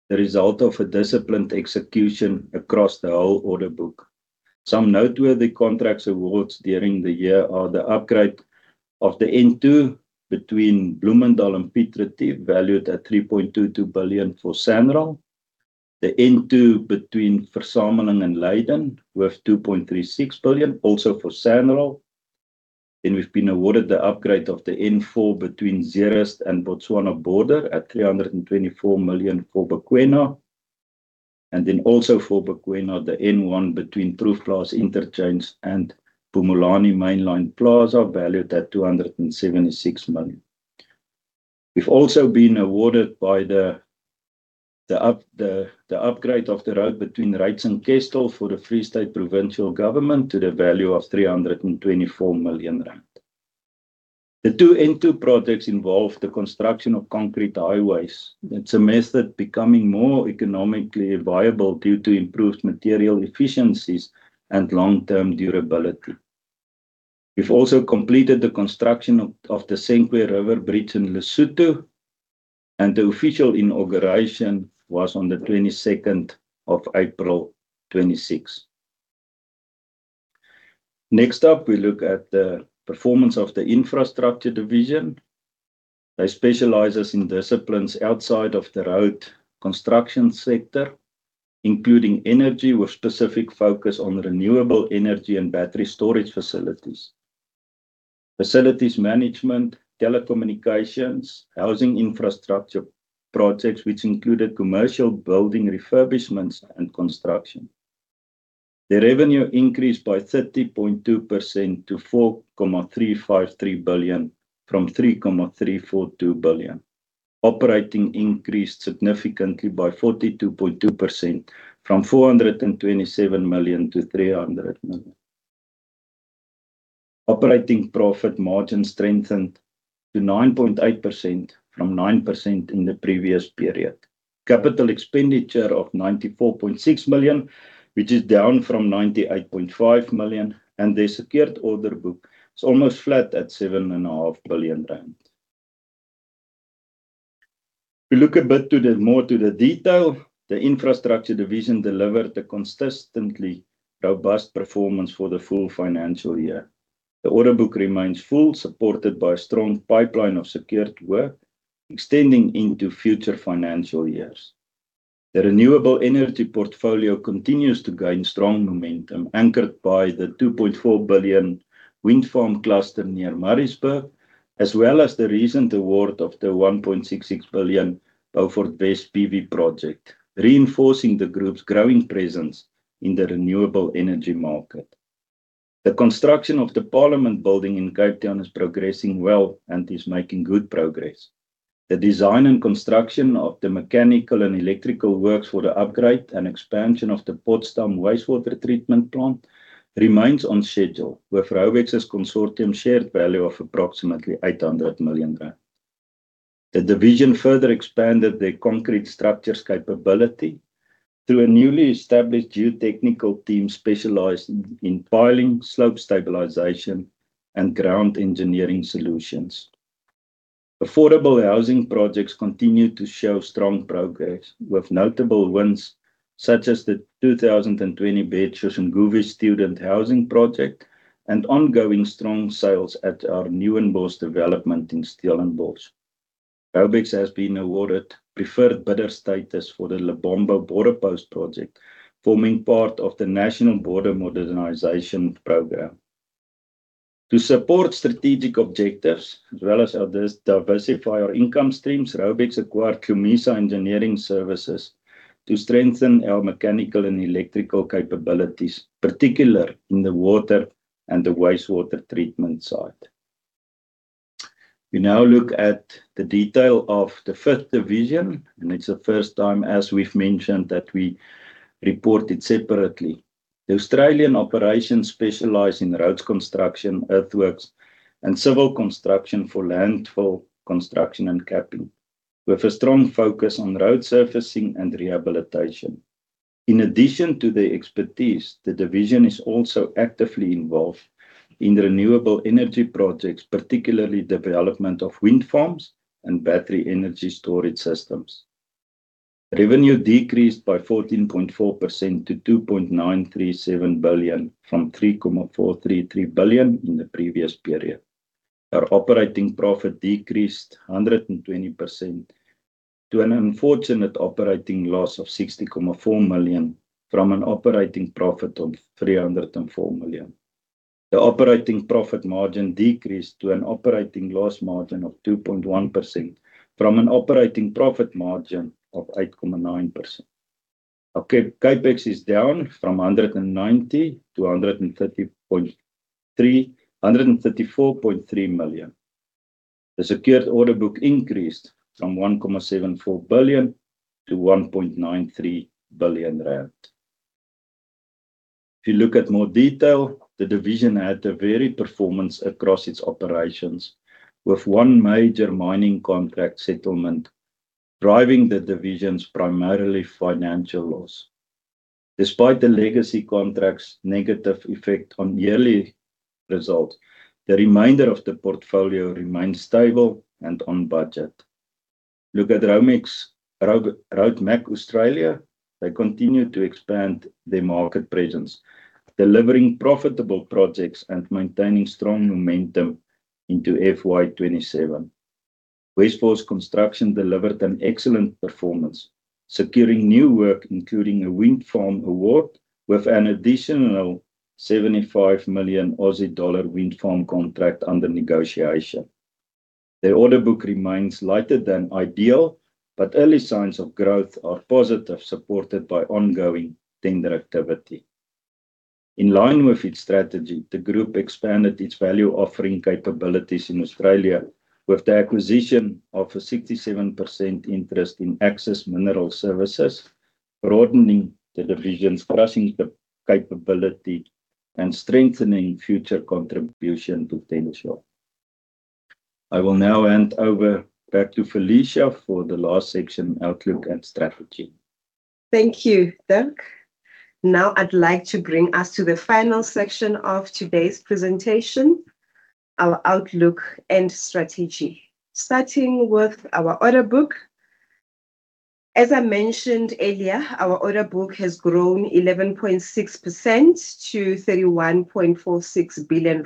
the result of a disciplined execution across the whole order book. Some noteworthy contracts awards during the year are the upgrade of the N2 between Bloemendal and Piet Retief, valued at 3.22 billion for SANRAL. The N2 between Verzameling and Leiden with 2.36 billion, also for SANRAL. We've been awarded the upgrade of the N4 between Zeerust and Botswana border at 324 million for Bakwena. Also for Bakwena, the N1 between Proefplaas Interchange and Pumulani Mainline Plaza, valued at 276 million. We've also been awarded by the upgrade of the road between Reitz and Kestell for the Free State provincial government to the value of 324 million rand. The two N2 projects involve the construction of concrete highways. It's a method becoming more economically viable due to improved material efficiencies and long-term durability. We've also completed the construction of the Senqu River Bridge in Lesotho, and the official inauguration was on the 22nd of April 2026. Next up, we look at the performance of the Infrastructure division. They specializes in disciplines outside of the road construction sector, including energy with specific focus on renewable energy and battery storage facilities management, telecommunications, housing infrastructure projects, which included commercial building refurbishments and construction. The revenue increased by 30.2% to 4.353 billion from 3.342 billion. Operating increased significantly by 42.2% from 427 million to 300 million. Operating profit margin strengthened to 9.8% from 9% in the previous period. Capital expenditure of 94.6 million, which is down from 98.5 million, and the secured order book is almost flat at 7.5 billion rand. If you look a bit more to the detail, the Infrastructure division delivered a consistently robust performance for the full financial year. The order book remains full, supported by a strong pipeline of secured work extending into future financial years. The renewable energy portfolio continues to gain strong momentum, anchored by the 2.4 billion wind farm cluster near Murraysburg, as well as the recent award of the 1.66 billion Beaufort West PV project, reinforcing the group's growing presence in the renewable energy market. The construction of the parliament building in Cape Town is progressing well and is making good progress. The design and construction of the mechanical and electrical works for the upgrade and expansion of the Potsdam Wastewater Treatment Plant remains on schedule with Raubex's consortium shared value of approximately 800 million rand. The division further expanded their concrete structures capability through a newly established geotechnical team specialized in piling, slope stabilization, and ground engineering solutions. Affordable housing projects continue to show strong progress, with notable wins such as the 2,020 Soshanguve student housing project and ongoing strong sales at our Newinbosch development in Stellenbosch. Raubex has been awarded preferred bidder status for the Lebombo Border Post project, forming part of the national border modernization program. To support strategic objectives as well as diversify our income streams, Raubex acquired Hlumisa Engineering Services to strengthen our mechanical and electrical capabilities, particular in the water and the wastewater treatment side. We now look at the detail of the fifth division. It's the first time, as we've mentioned, that we report it separately. The Australian operations specialize in roads construction, earthworks, and civil construction for landfill construction and capping, with a strong focus on road surfacing and rehabilitation. In addition to their expertise, the division is also actively involved in renewable energy projects, particularly development of wind farms and battery energy storage systems. Revenue decreased by 14.4% to 2.937 billion from 3.433 billion in the previous period. Our operating profit decreased 120% to an unfortunate operating loss of 60.4 million from an operating profit of 304 million. The operating profit margin decreased to an operating loss margin of 2.1% from an operating profit margin of 8.9%. Our CapEx is down from 190 million to 134.3 million. The secured order book increased from 1.74 billion to 1.93 billion rand. If you look at more detail, the division had a varied performance across its operations, with one major mining contract settlement driving the division's primarily financial loss. Despite the legacy contract's negative effect on yearly result, the remainder of the portfolio remains stable and on budget. Look at Roadmac Australia, they continue to expand their market presence, delivering profitable projects and maintaining strong momentum into FY 2027. Westforce Construction delivered an excellent performance, securing new work, including a wind farm award with an additional 75 million Aussie dollar wind farm contract under negotiation. Their order book remains lighter than ideal, but early signs of growth are positive, supported by ongoing tender activity. In line with its strategy, the group expanded its value offering capabilities in Australia with the acquisition of a 67% interest in Axis Mineral Services, broadening the division's crushing capability and strengthening future contribution to [Tenneco]. I will now hand over back to Felicia for the last section, outlook and strategy. Thank you, Dirk. I'd like to bring us to the final section of today's presentation, our outlook and strategy. Starting with our order book, as I mentioned earlier, our order book has grown 11.6% to 31.46 billion.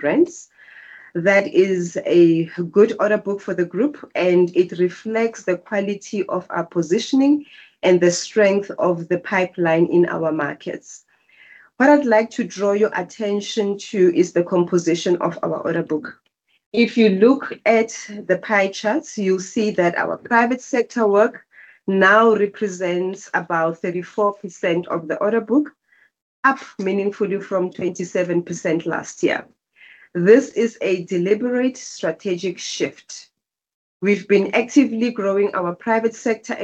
That is a good order book for the group, it reflects the quality of our positioning and the strength of the pipeline in our markets. What I'd like to draw your attention to is the composition of our order book. If you look at the pie charts, you'll see that our private sector work now represents about 34% of the order book, up meaningfully from 27% last year. This is a deliberate strategic shift. We've been actively growing our private sector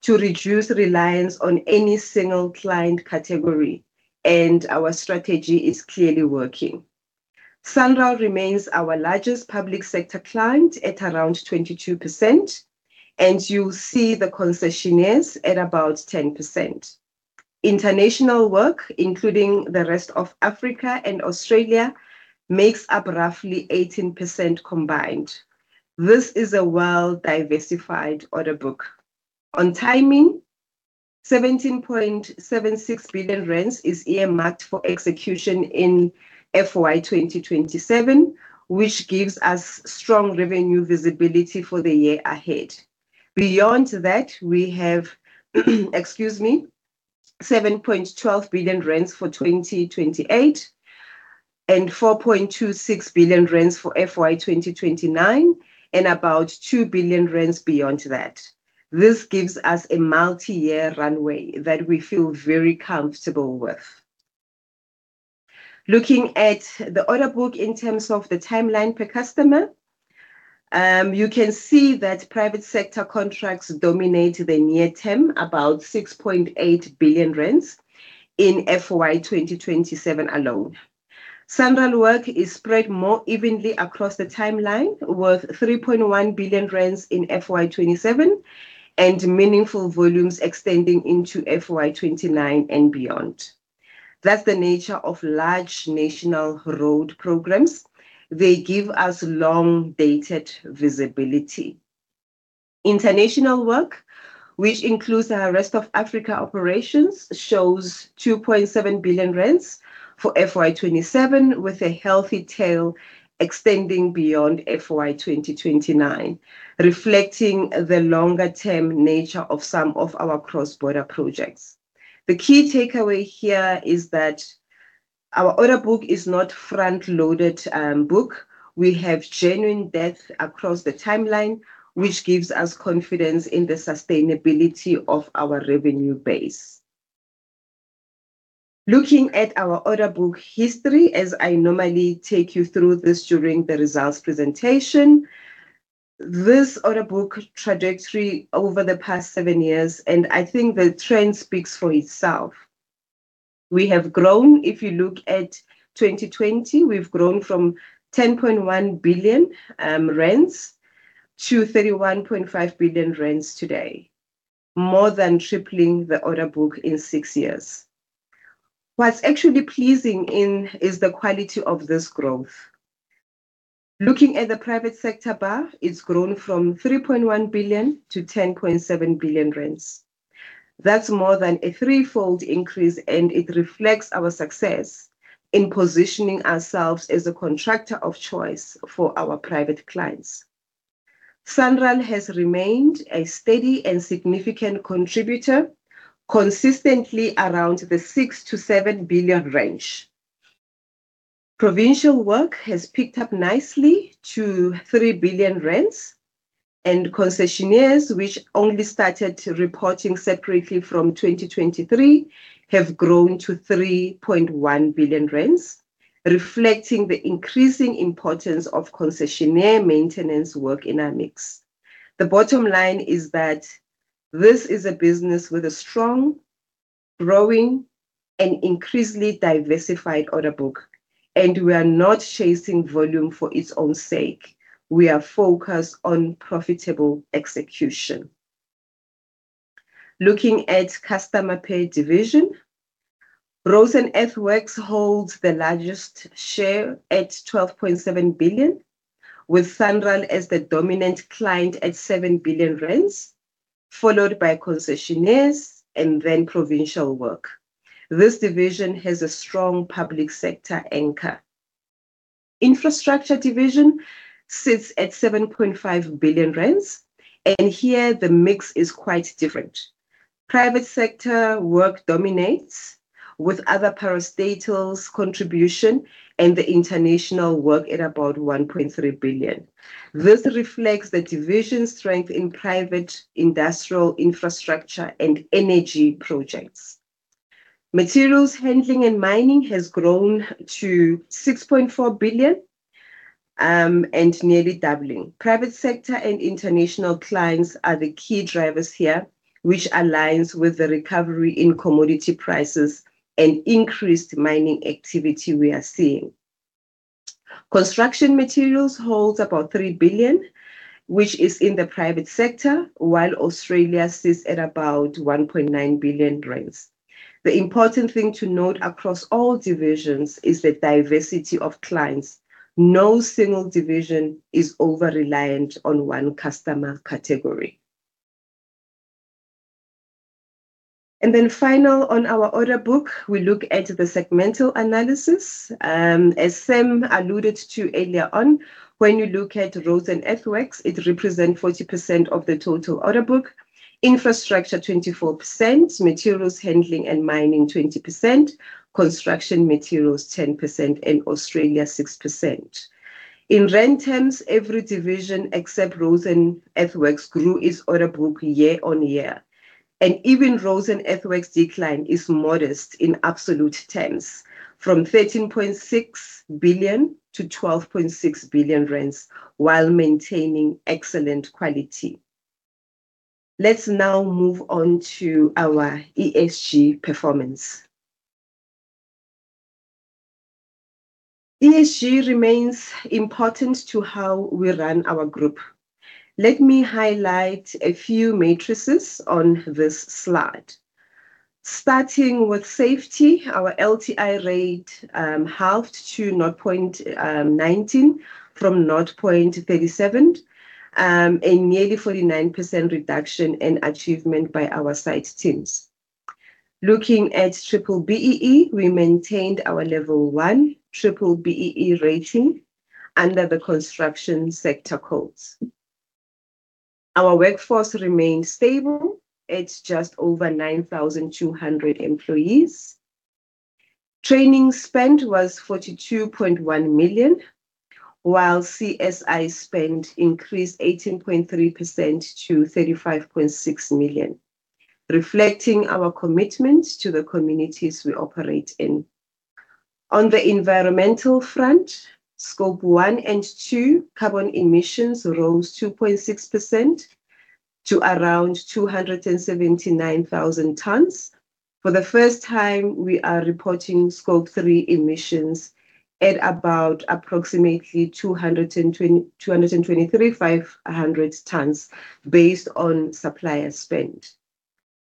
exposure to reduce reliance on any single client category, our strategy is clearly working. SANRAL remains our largest public sector client at around 22%, and you'll see the concessionaires at about 10%. International work, including the rest of Africa and Australia, makes up roughly 18% combined. This is a well-diversified order book. On timing, 17.76 billion rand is earmarked for execution in FY 2027, which gives us strong revenue visibility for the year ahead. Beyond that, we have excuse me, 7.12 billion rand for 2028, and 4.26 billion rand for FY 2029, and about 2 billion rand beyond that. This gives us a multiyear runway that we feel very comfortable with. Looking at the order book in terms of the timeline per customer, you can see that private sector contracts dominate the near term, about 6.8 billion in FY 2027 alone. SANRAL work is spread more evenly across the timeline, with 3.1 billion rand in FY 2027 and meaningful volumes extending into FY 2029 and beyond. That's the nature of large national road programs. They give us long-dated visibility. International work, which includes our rest of Africa operations, shows 2.7 billion for FY 2027, with a healthy tail extending beyond FY 2029, reflecting the longer term nature of some of our cross-border projects. The key takeaway here is that our order book is not front-loaded. We have genuine depth across the timeline, which gives us confidence in the sustainability of our revenue base. Looking at our order book history, as I normally take you through this during the results presentation, this order book trajectory over the past seven years. I think the trend speaks for itself. We have grown. If you look at 2020, we've grown from 10.1 billion to 31.5 billion today, more than tripling the order book in six years. What's actually pleasing is the quality of this growth. Looking at the private sector bar, it's grown from 3.1 billion to 10.7 billion. That's more than a threefold increase, and it reflects our success in positioning ourselves as a contractor of choice for our private clients. SANRAL has remained a steady and significant contributor, consistently around the 6 billion-7 billion range. Provincial work has picked up nicely to 3 billion rand, and concessionaires, which only started reporting separately from 2023, have grown to 3.1 billion rand, reflecting the increasing importance of concessionaire maintenance work in our mix. The bottom line is that this is a business with a strong, growing, and increasingly diversified order book. We are not chasing volume for its own sake. We are focused on profitable execution. Looking at customer per division, Roads and Earthworks holds the largest share at 12.7 billion, with SANRAL as the dominant client at 7 billion, followed by concessionaires and provincial work. This division has a strong public sector anchor. Infrastructure division sits at 7.5 billion rand. Here the mix is quite different. Private sector work dominates, with other parastatals' contribution and the international work at about 1.3 billion. This reflects the division's strength in private industrial infrastructure and energy projects. Materials Handling and Mining has grown to 6.4 billion, nearly doubling. Private sector and international clients are the key drivers here, which aligns with the recovery in commodity prices and increased mining activity we are seeing. Construction Materials holds about 3 billion, which is in the private sector, while Australia sits at about 1.9 billion. The important thing to note across all divisions is the diversity of clients. No single division is over-reliant on one customer category. Final on our order book, we look at the segmental analysis. As Sam alluded to earlier on, when you look at Roads and Earthworks, it represent 40% of the total order book, Infrastructure 24%, Materials Handling and Mining 20%, Construction Materials 10%, and Australia 6%. In rand terms, every division except Roads and Earthworks grew its order book year on year. Even Roads and Earthworks decline is modest in absolute terms, from 13.6 billion to 12.6 billion, while maintaining excellent quality. Let's now move on to our ESG performance. ESG remains important to how we run our group. Let me highlight a few matrices on this slide. Starting with safety, our LTI rate halved to 0.19 from 0.37, a nearly 49% reduction and achievement by our site teams. Looking at B-BBEE, we maintained our level 1 B-BBEE rating under the construction sector codes. Our workforce remains stable at just over 9,200 employees. Training spend was 42.1 million, while CSI spend increased 18.3% to 35.6 million, reflecting our commitment to the communities we operate in. On the environmental front, Scope 1 and 2 carbon emissions rose 2.6% to around 279,000 tonnes. For the first time, we are reporting Scope 3 emissions at approximately 223,500 tonnes based on supplier spend.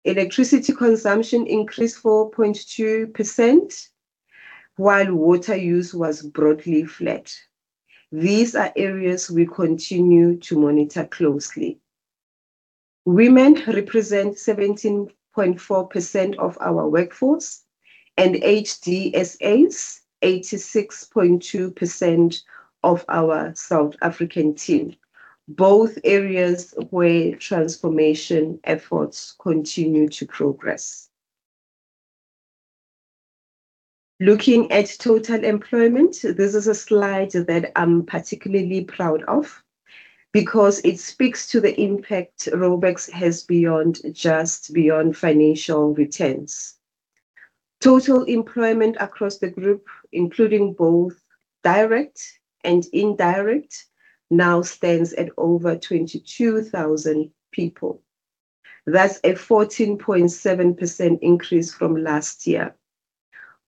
Electricity consumption increased 4.2%, while water use was broadly flat. These are areas we continue to monitor closely. Women represent 17.4% of our workforce, and HDSAs, 86.2% of our South African team, both areas where transformation efforts continue to progress. Looking at total employment, this is a slide that I'm particularly proud of because it speaks to the impact Raubex has beyond just financial returns. Total employment across the group, including both direct and indirect, now stands at over 22,000 people. That's a 14.7% increase from last year.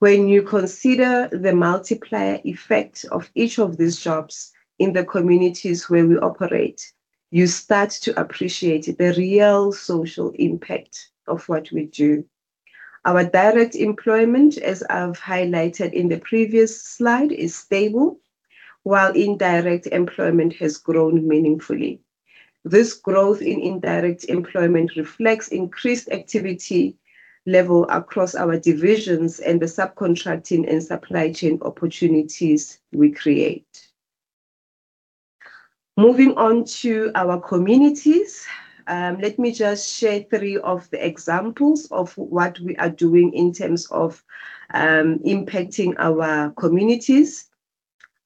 When you consider the multiplier effect of each of these jobs in the communities where we operate, you start to appreciate the real social impact of what we do. Our direct employment, as I've highlighted in the previous slide, is stable, while indirect employment has grown meaningfully. This growth in indirect employment reflects increased activity level across our divisions and the subcontracting and supply chain opportunities we create. Moving on to our communities, let me just share three of the examples of what we are doing in terms of impacting our communities.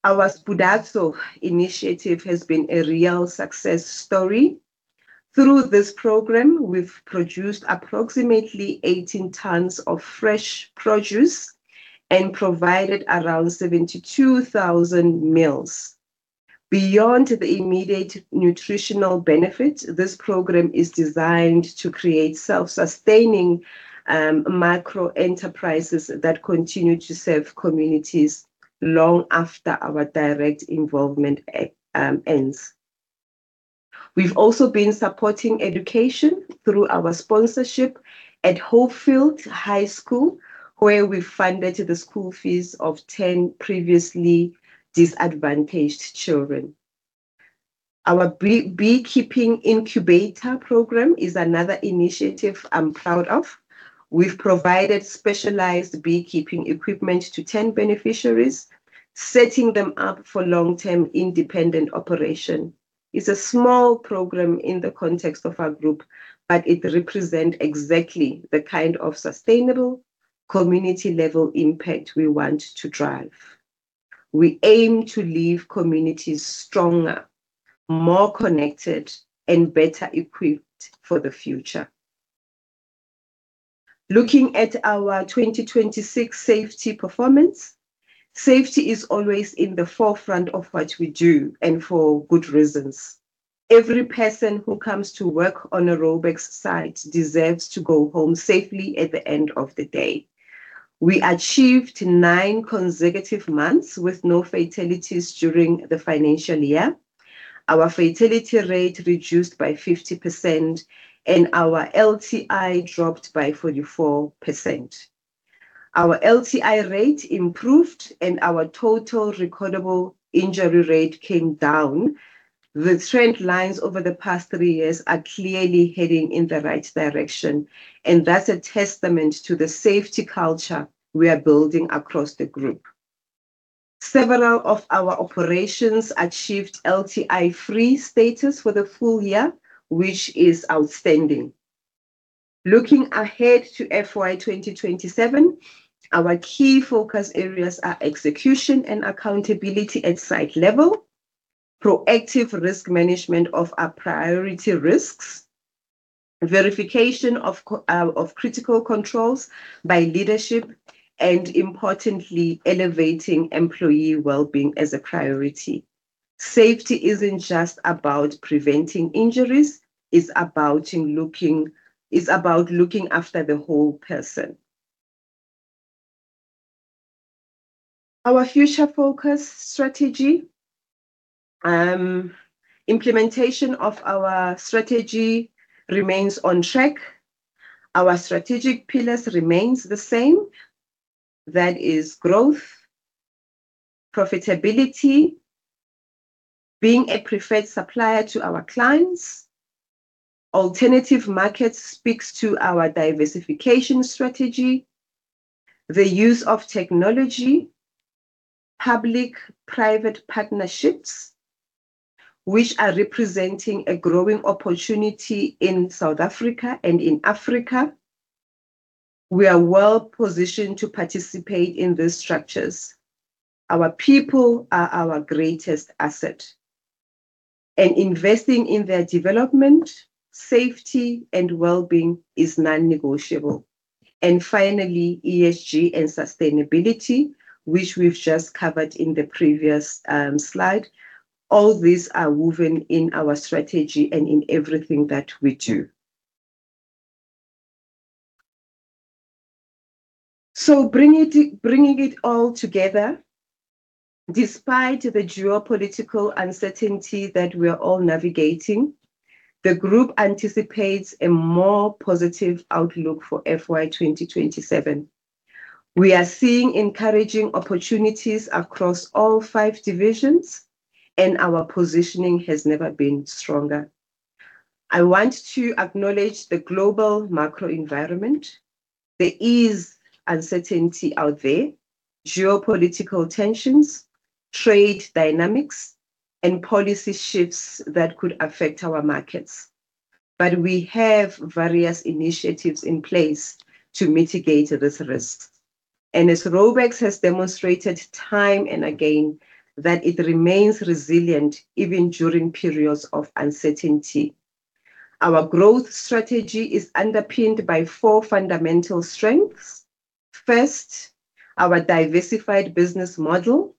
Our Spoudazo initiative has been a real success story. Through this program, we've produced approximately 18 tonnes of fresh produce and provided around 72,000 meals. Beyond the immediate nutritional benefit, this program is designed to create self-sustaining micro-enterprises that continue to serve communities long after our direct involvement ends. We've also been supporting education through our sponsorship at Hopefield High School, where we funded the school fees of 10 previously disadvantaged children. Our bee-beekeeping incubator program is another initiative I'm proud of. We've provided specialized beekeeping equipment to 10 beneficiaries, setting them up for long-term independent operation. It's a small program in the context of our group, but it represent exactly the kind of sustainable community-level impact we want to drive. We aim to leave communities stronger, more connected, and better equipped for the future. Looking at our 2026 safety performance, safety is always in the forefront of what we do, and for good reasons. Every person who comes to work on a Raubex site deserves to go home safely at the end of the day. We achieved nine consecutive months with no fatalities during the financial year. Our fatality rate reduced by 50%, and our LTI dropped by 44%. Our LTI rate improved, and our total recordable injury rate came down. The trend lines over the past three years are clearly heading in the right direction, and that's a testament to the safety culture we are building across the group. Several of our operations achieved LTI-free status for the full year, which is outstanding. Looking ahead to FY 2027, our key focus areas are execution and accountability at site level, proactive risk management of our priority risks, verification of critical controls by leadership, and importantly, elevating employee well-being as a priority. Safety isn't just about preventing injuries, it's about looking after the whole person. Our future focus strategy. Implementation of our strategy remains on track. Our strategic pillars remains the same. That is growth, profitability, being a preferred supplier to our clients. Alternative markets speaks to our diversification strategy. The use of technology, public-private partnerships, which are representing a growing opportunity in South Africa and in Africa. We are well-positioned to participate in these structures. Our people are our greatest asset, and investing in their development, safety, and well-being is non-negotiable. Finally, ESG and sustainability, which we've just covered in the previous slide. All these are woven in our strategy and in everything that we do. Bringing it all together, despite the geopolitical uncertainty that we are all navigating, the group anticipates a more positive outlook for FY 2027. We are seeing encouraging opportunities across all five divisions, and our positioning has never been stronger. I want to acknowledge the global macro environment. There is uncertainty out there, geopolitical tensions, trade dynamics, and policy shifts that could affect our markets. We have various initiatives in place to mitigate these risks. As Raubex has demonstrated time and again that it remains resilient even during periods of uncertainty. Our growth strategy is underpinned by four fundamental strengths. First, our diversified business model.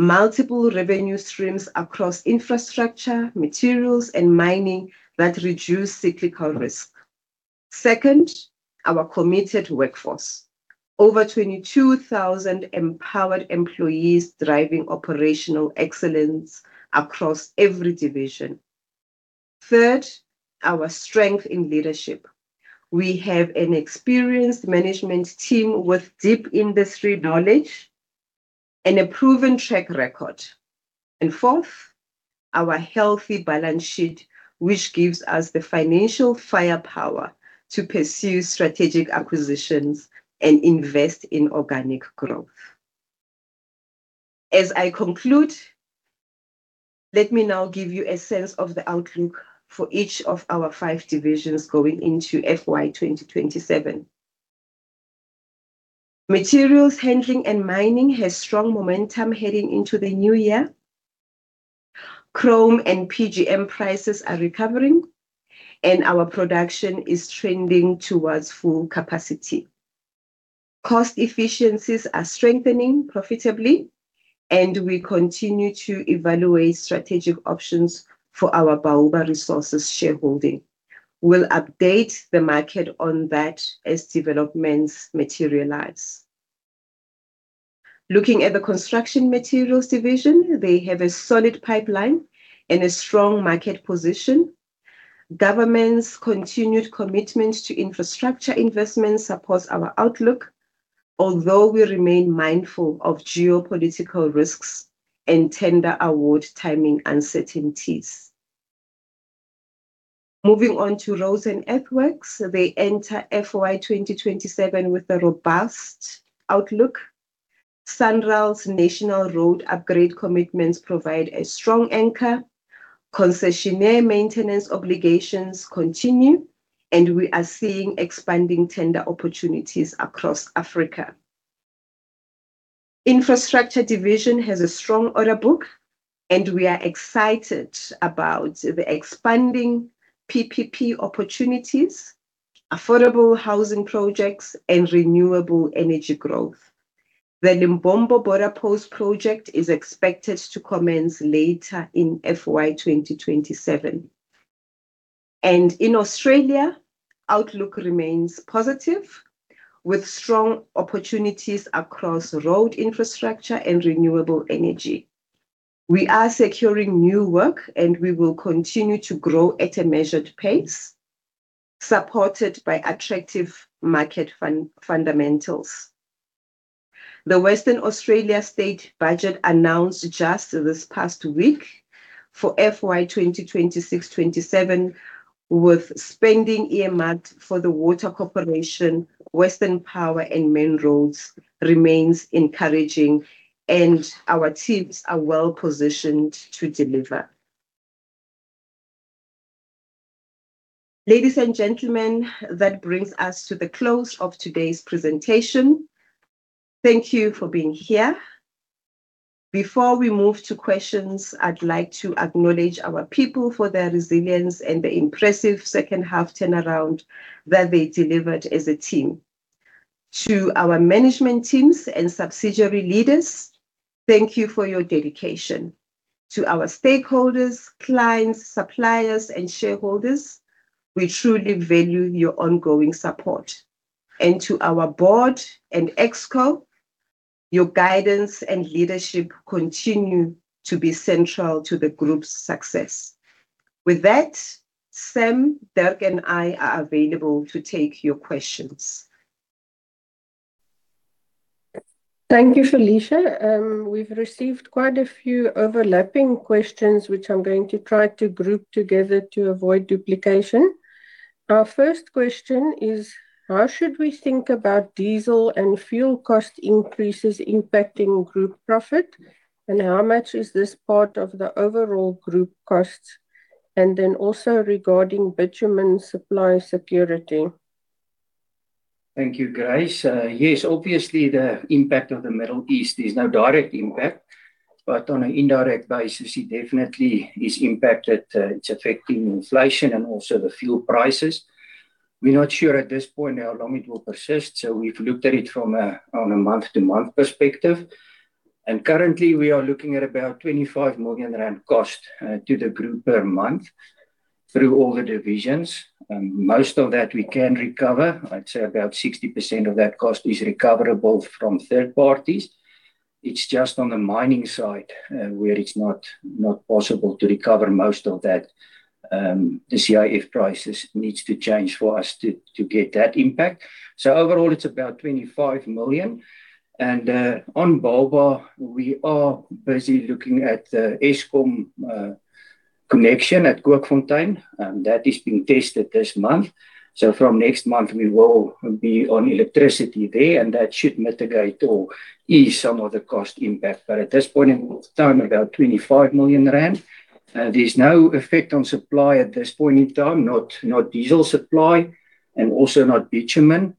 Multiple revenue streams across Infrastructure, Materials, and Mining that reduce cyclical risk. Second, our committed workforce. Over 22,000 empowered employees driving operational excellence across every division. Third, our strength in leadership. We have an experienced management team with deep industry knowledge and a proven track record. Fourth, our healthy balance sheet, which gives us the financial firepower to pursue strategic acquisitions and invest in organic growth. As I conclude, let me now give you a sense of the outlook for each of our five divisions going into FY 2027. Materials Handling and Mining has strong momentum heading into the new year. Chrome and PGM prices are recovering. Our production is trending towards full capacity. Cost efficiencies are strengthening profitably. We continue to evaluate strategic options for our Bauba Resources shareholding. We'll update the market on that as developments materialize. Looking at the Construction Materials division, they have a solid pipeline and a strong market position. Government's continued commitment to infrastructure investment supports our outlook, although we remain mindful of geopolitical risks and tender award timing uncertainties. Moving on to Roads and Earthworks, they enter FY 2027 with a robust outlook. SANRAL's national road upgrade commitments provide a strong anchor. Concessionaire maintenance obligations continue. We are seeing expanding tender opportunities across Africa. Infrastructure division has a strong order book. We are excited about the expanding PPP opportunities, affordable housing projects, and renewable energy growth. The Lebombo border post project is expected to commence later in FY 2027. In Australia, outlook remains positive with strong opportunities across road infrastructure and renewable energy. We are securing new work. We will continue to grow at a measured pace, supported by attractive market fundamentals. The Western Australia state budget announced just this past week for FY 2026-2027 with spending earmarked for the Water Corporation, Western Power and Main Roads remains encouraging. Our teams are well-positioned to deliver. Ladies and gentlemen, that brings us to the close of today's presentation. Thank you for being here. Before we move to questions, I'd like to acknowledge our people for their resilience and the impressive second half turnaround that they delivered as a team. To our management teams and subsidiary leaders, thank you for your dedication. To our stakeholders, clients, suppliers, and shareholders, we truly value your ongoing support. To our board and Exco, your guidance and leadership continue to be central to the group's success. With that, Sam, Dirk, and I are available to take your questions. Thank you, Felicia. We've received quite a few overlapping questions, which I'm going to try to group together to avoid duplication. Our first question is: How should we think about diesel and fuel cost increases impacting group profit, and how much is this part of the overall group costs? Also regarding bitumen supply security. Thank you, Grace. Yes, obviously the impact of the Middle East, there's no direct impact, on an indirect basis, it definitely is impacted. It's affecting inflation and also the fuel prices. We're not sure at this point how long it will persist, we've looked at it from a month-to-month perspective. Currently we are looking at about 25 million rand cost to the group per month through all the divisions. Most of that we can recover. I'd say about 60% of that cost is recoverable from third parties. It's just on the mining side, where it's not possible to recover most of that. The CIF prices needs to change for us to get that impact. Overall it's about 25 million. On Bauba we are busy looking at the Eskom connection at Kookfontein, that is being tested this month. From next month we will be on electricity there, and that should mitigate or ease some of the cost impact. At this point in time, about 25 million rand. There's no effect on supply at this point in time, not diesel supply and also not bitumen.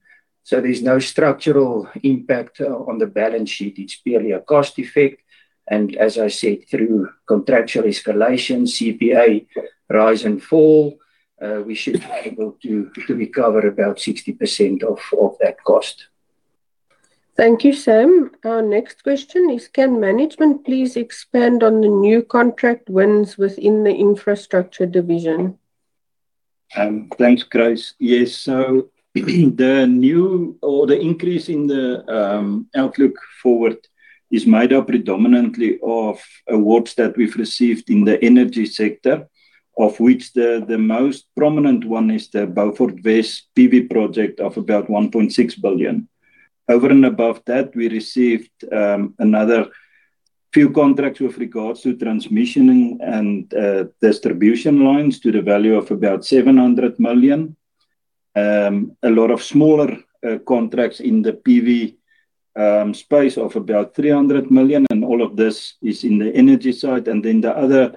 There's no structural impact on the balance sheet. It's purely a cost effect. As I said, through contractual escalation, CPA rise and fall, we should be able to recover about 60% of that cost. Thank you, Sam. Our next question is, can management please expand on the new contract wins within the Infrastructure division? Thanks, Grace. Yes. The new or the increase in the outlook forward is made up predominantly of awards that we've received in the energy sector, of which the most prominent one is the Beaufort West PV project of about 1.6 billion. Over and above that, we received another few contracts with regards to transmission and distribution lines to the value of about 700 million. A lot of smaller contracts in the PV space of about 300 million, and all of this is in the energy side. The other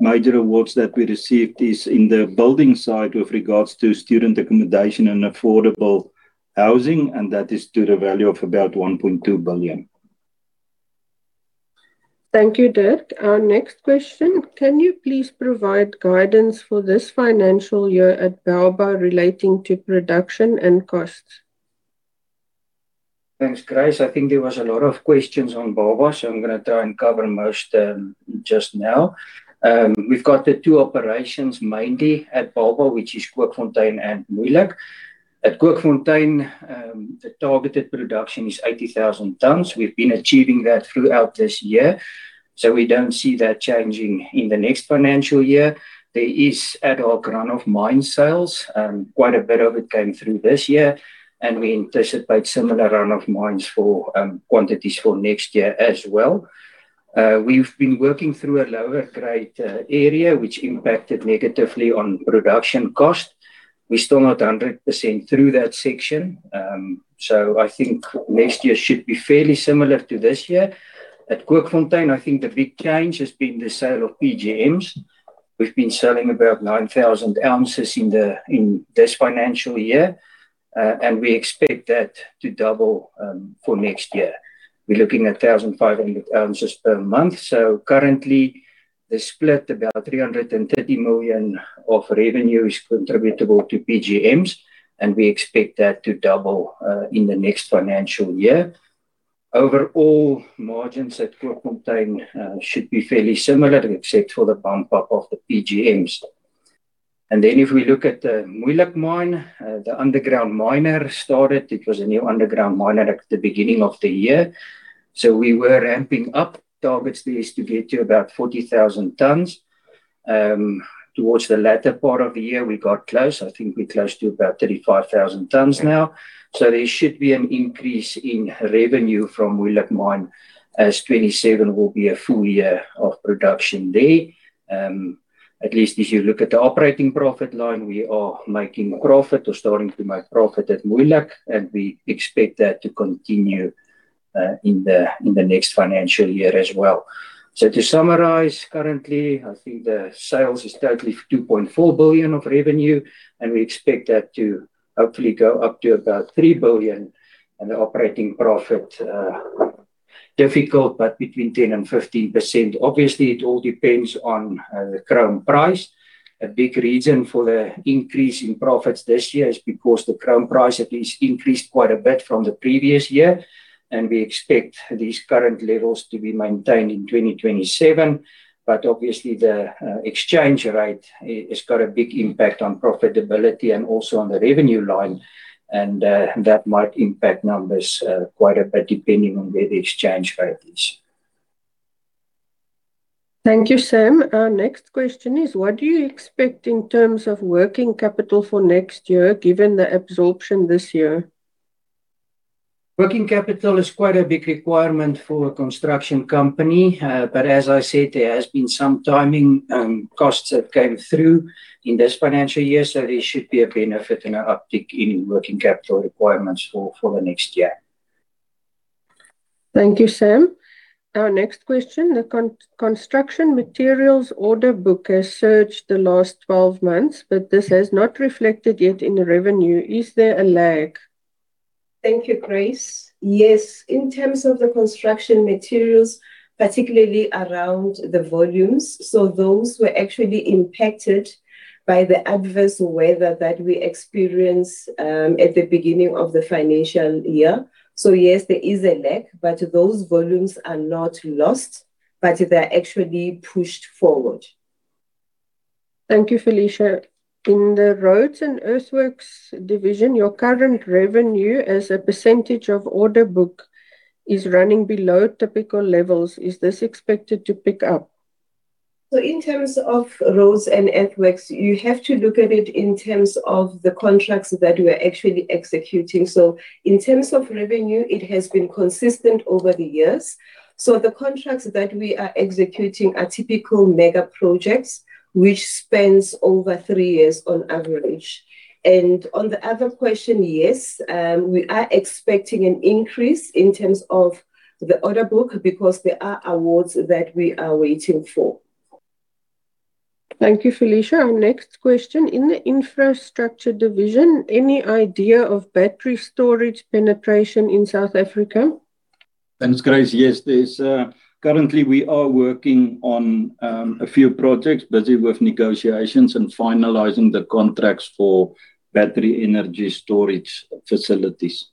major awards that we received is in the building side with regards to student accommodation and affordable housing, and that is to the value of about 1.2 billion. Thank you, Dirk. Our next question, can you please provide guidance for this financial year at Bauba relating to production and costs? Thanks, Grace. I think there was a lot of questions on Bauba, so I'm gonna try and cover most of them just now. We've got the two operations mainly at Bauba, which is Kookfontein and Moeijelijk. At Kookfontein, the targeted production is 80,000 tonnes. We've been achieving that throughout this year, so we don't see that changing in the next financial year. There is ad hoc run-of-mine sales. Quite a bit of it came through this year, and we anticipate similar run-of-mine ore quantities for next year as well. We've been working through a lower grade area which impacted negatively on production cost. We're still not 100% through that section. I think next year should be fairly similar to this year. At Kookfontein, I think the big change has been the sale of PGMs. We've been selling about 9,000 oz in this financial year, and we expect that to double for next year. We're looking at 1,500 oz per month. Currently, the split, about 330 million of revenue is attributable to PGMs, and we expect that to double in the next financial year. Overall margins at Kookfontein should be fairly similar except for the bump up of the PGMs. If we look at Moeijelijk Mine, the underground mine started. It was a new underground mine at the beginning of the year. We were ramping up targets there to get to about 40,000 tonnes. Towards the latter part of the year we got close. I think we're close to about 35,000 tonnes now. There should be an increase in revenue from Moeijelijk Mine as 2027 will be a full year of production there. At least if you look at the operating profit line, we are making profit or starting to make profit at Moeijelijk, and we expect that to continue in the next financial year as well. To summarize, currently, I think the sales is totally 2.4 billion of revenue, and we expect that to hopefully go up to about 3 billion. The operating profit, difficult, but between 10% and 15%. Obviously, it all depends on the chrome price. A big reason for the increase in profits this year is because the chrome price at least increased quite a bit from the previous year, and we expect these current levels to be maintained in 2027. Obviously the exchange rate has got a big impact on profitability and also on the revenue line, and that might impact numbers quite a bit depending on where the exchange rate is. Thank you, Sam. Our next question is, what do you expect in terms of working capital for next year given the absorption this year? Working capital is quite a big requirement for a construction company. As I said, there has been some timing, costs that came through in this financial year, so there should be a benefit and an uptick in working capital requirements for the next year. Thank you, Sam. Our next question. The construction materials order book has surged the last 12 months, but this has not reflected yet in the revenue. Is there a lag? Thank you, Grace. Yes. In terms of the construction materials, particularly around the volumes. Those were actually impacted by the adverse weather that we experienced at the beginning of the financial year. Yes, there is a lag, but those volumes are not lost, but they're actually pushed forward. Thank you, Felicia. In the Roads and Earthworks division, your current revenue as a percentage of order book is running below typical levels. Is this expected to pick up? In terms of Roads and Earthworks, you have to look at it in terms of the contracts that we are actually executing. In terms of revenue, it has been consistent over the years. The contracts that we are executing are typical mega projects, which spans over three years on average. On the other question, yes, we are expecting an increase in terms of the order book because there are awards that we are waiting for. Thank you, Felicia. Our next question. In the Infrastructure division, any idea of battery storage penetration in South Africa? Thanks, Grace. Yes, currently we are working on a few projects, busy with negotiations and finalizing the contracts for battery energy storage facilities.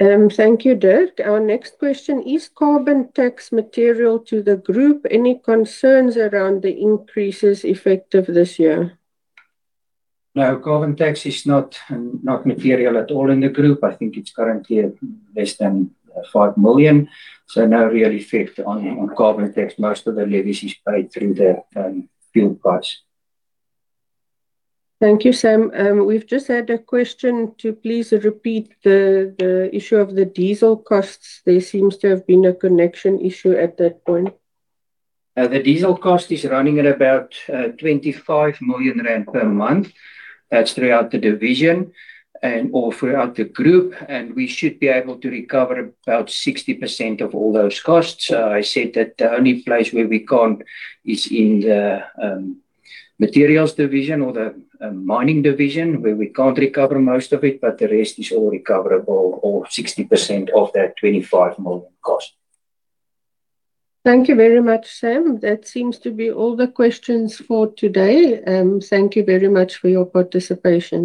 Thank you, Dirk. Our next question: Is carbon tax material to the group? Any concerns around the increases effective this year? No, carbon tax is not material at all in the group. I think it's currently less than 5 million, so no real effect on carbon tax. Most of the levies is paid through the fuel price. Thank you, Sam. We've just had a question to please repeat the issue of the diesel costs. There seems to have been a connection issue at that point. The diesel cost is running at about, 25 million rand per month. That's throughout the division and or throughout the group. We should be able to recover about 60% of all those costs. I said that the only place where we can't is in the Materials division or the Mining division where we can't recover most of it. The rest is all recoverable or 60% of that 25 million cost. Thank you very much, Sam. That seems to be all the questions for today. Thank you very much for your participation.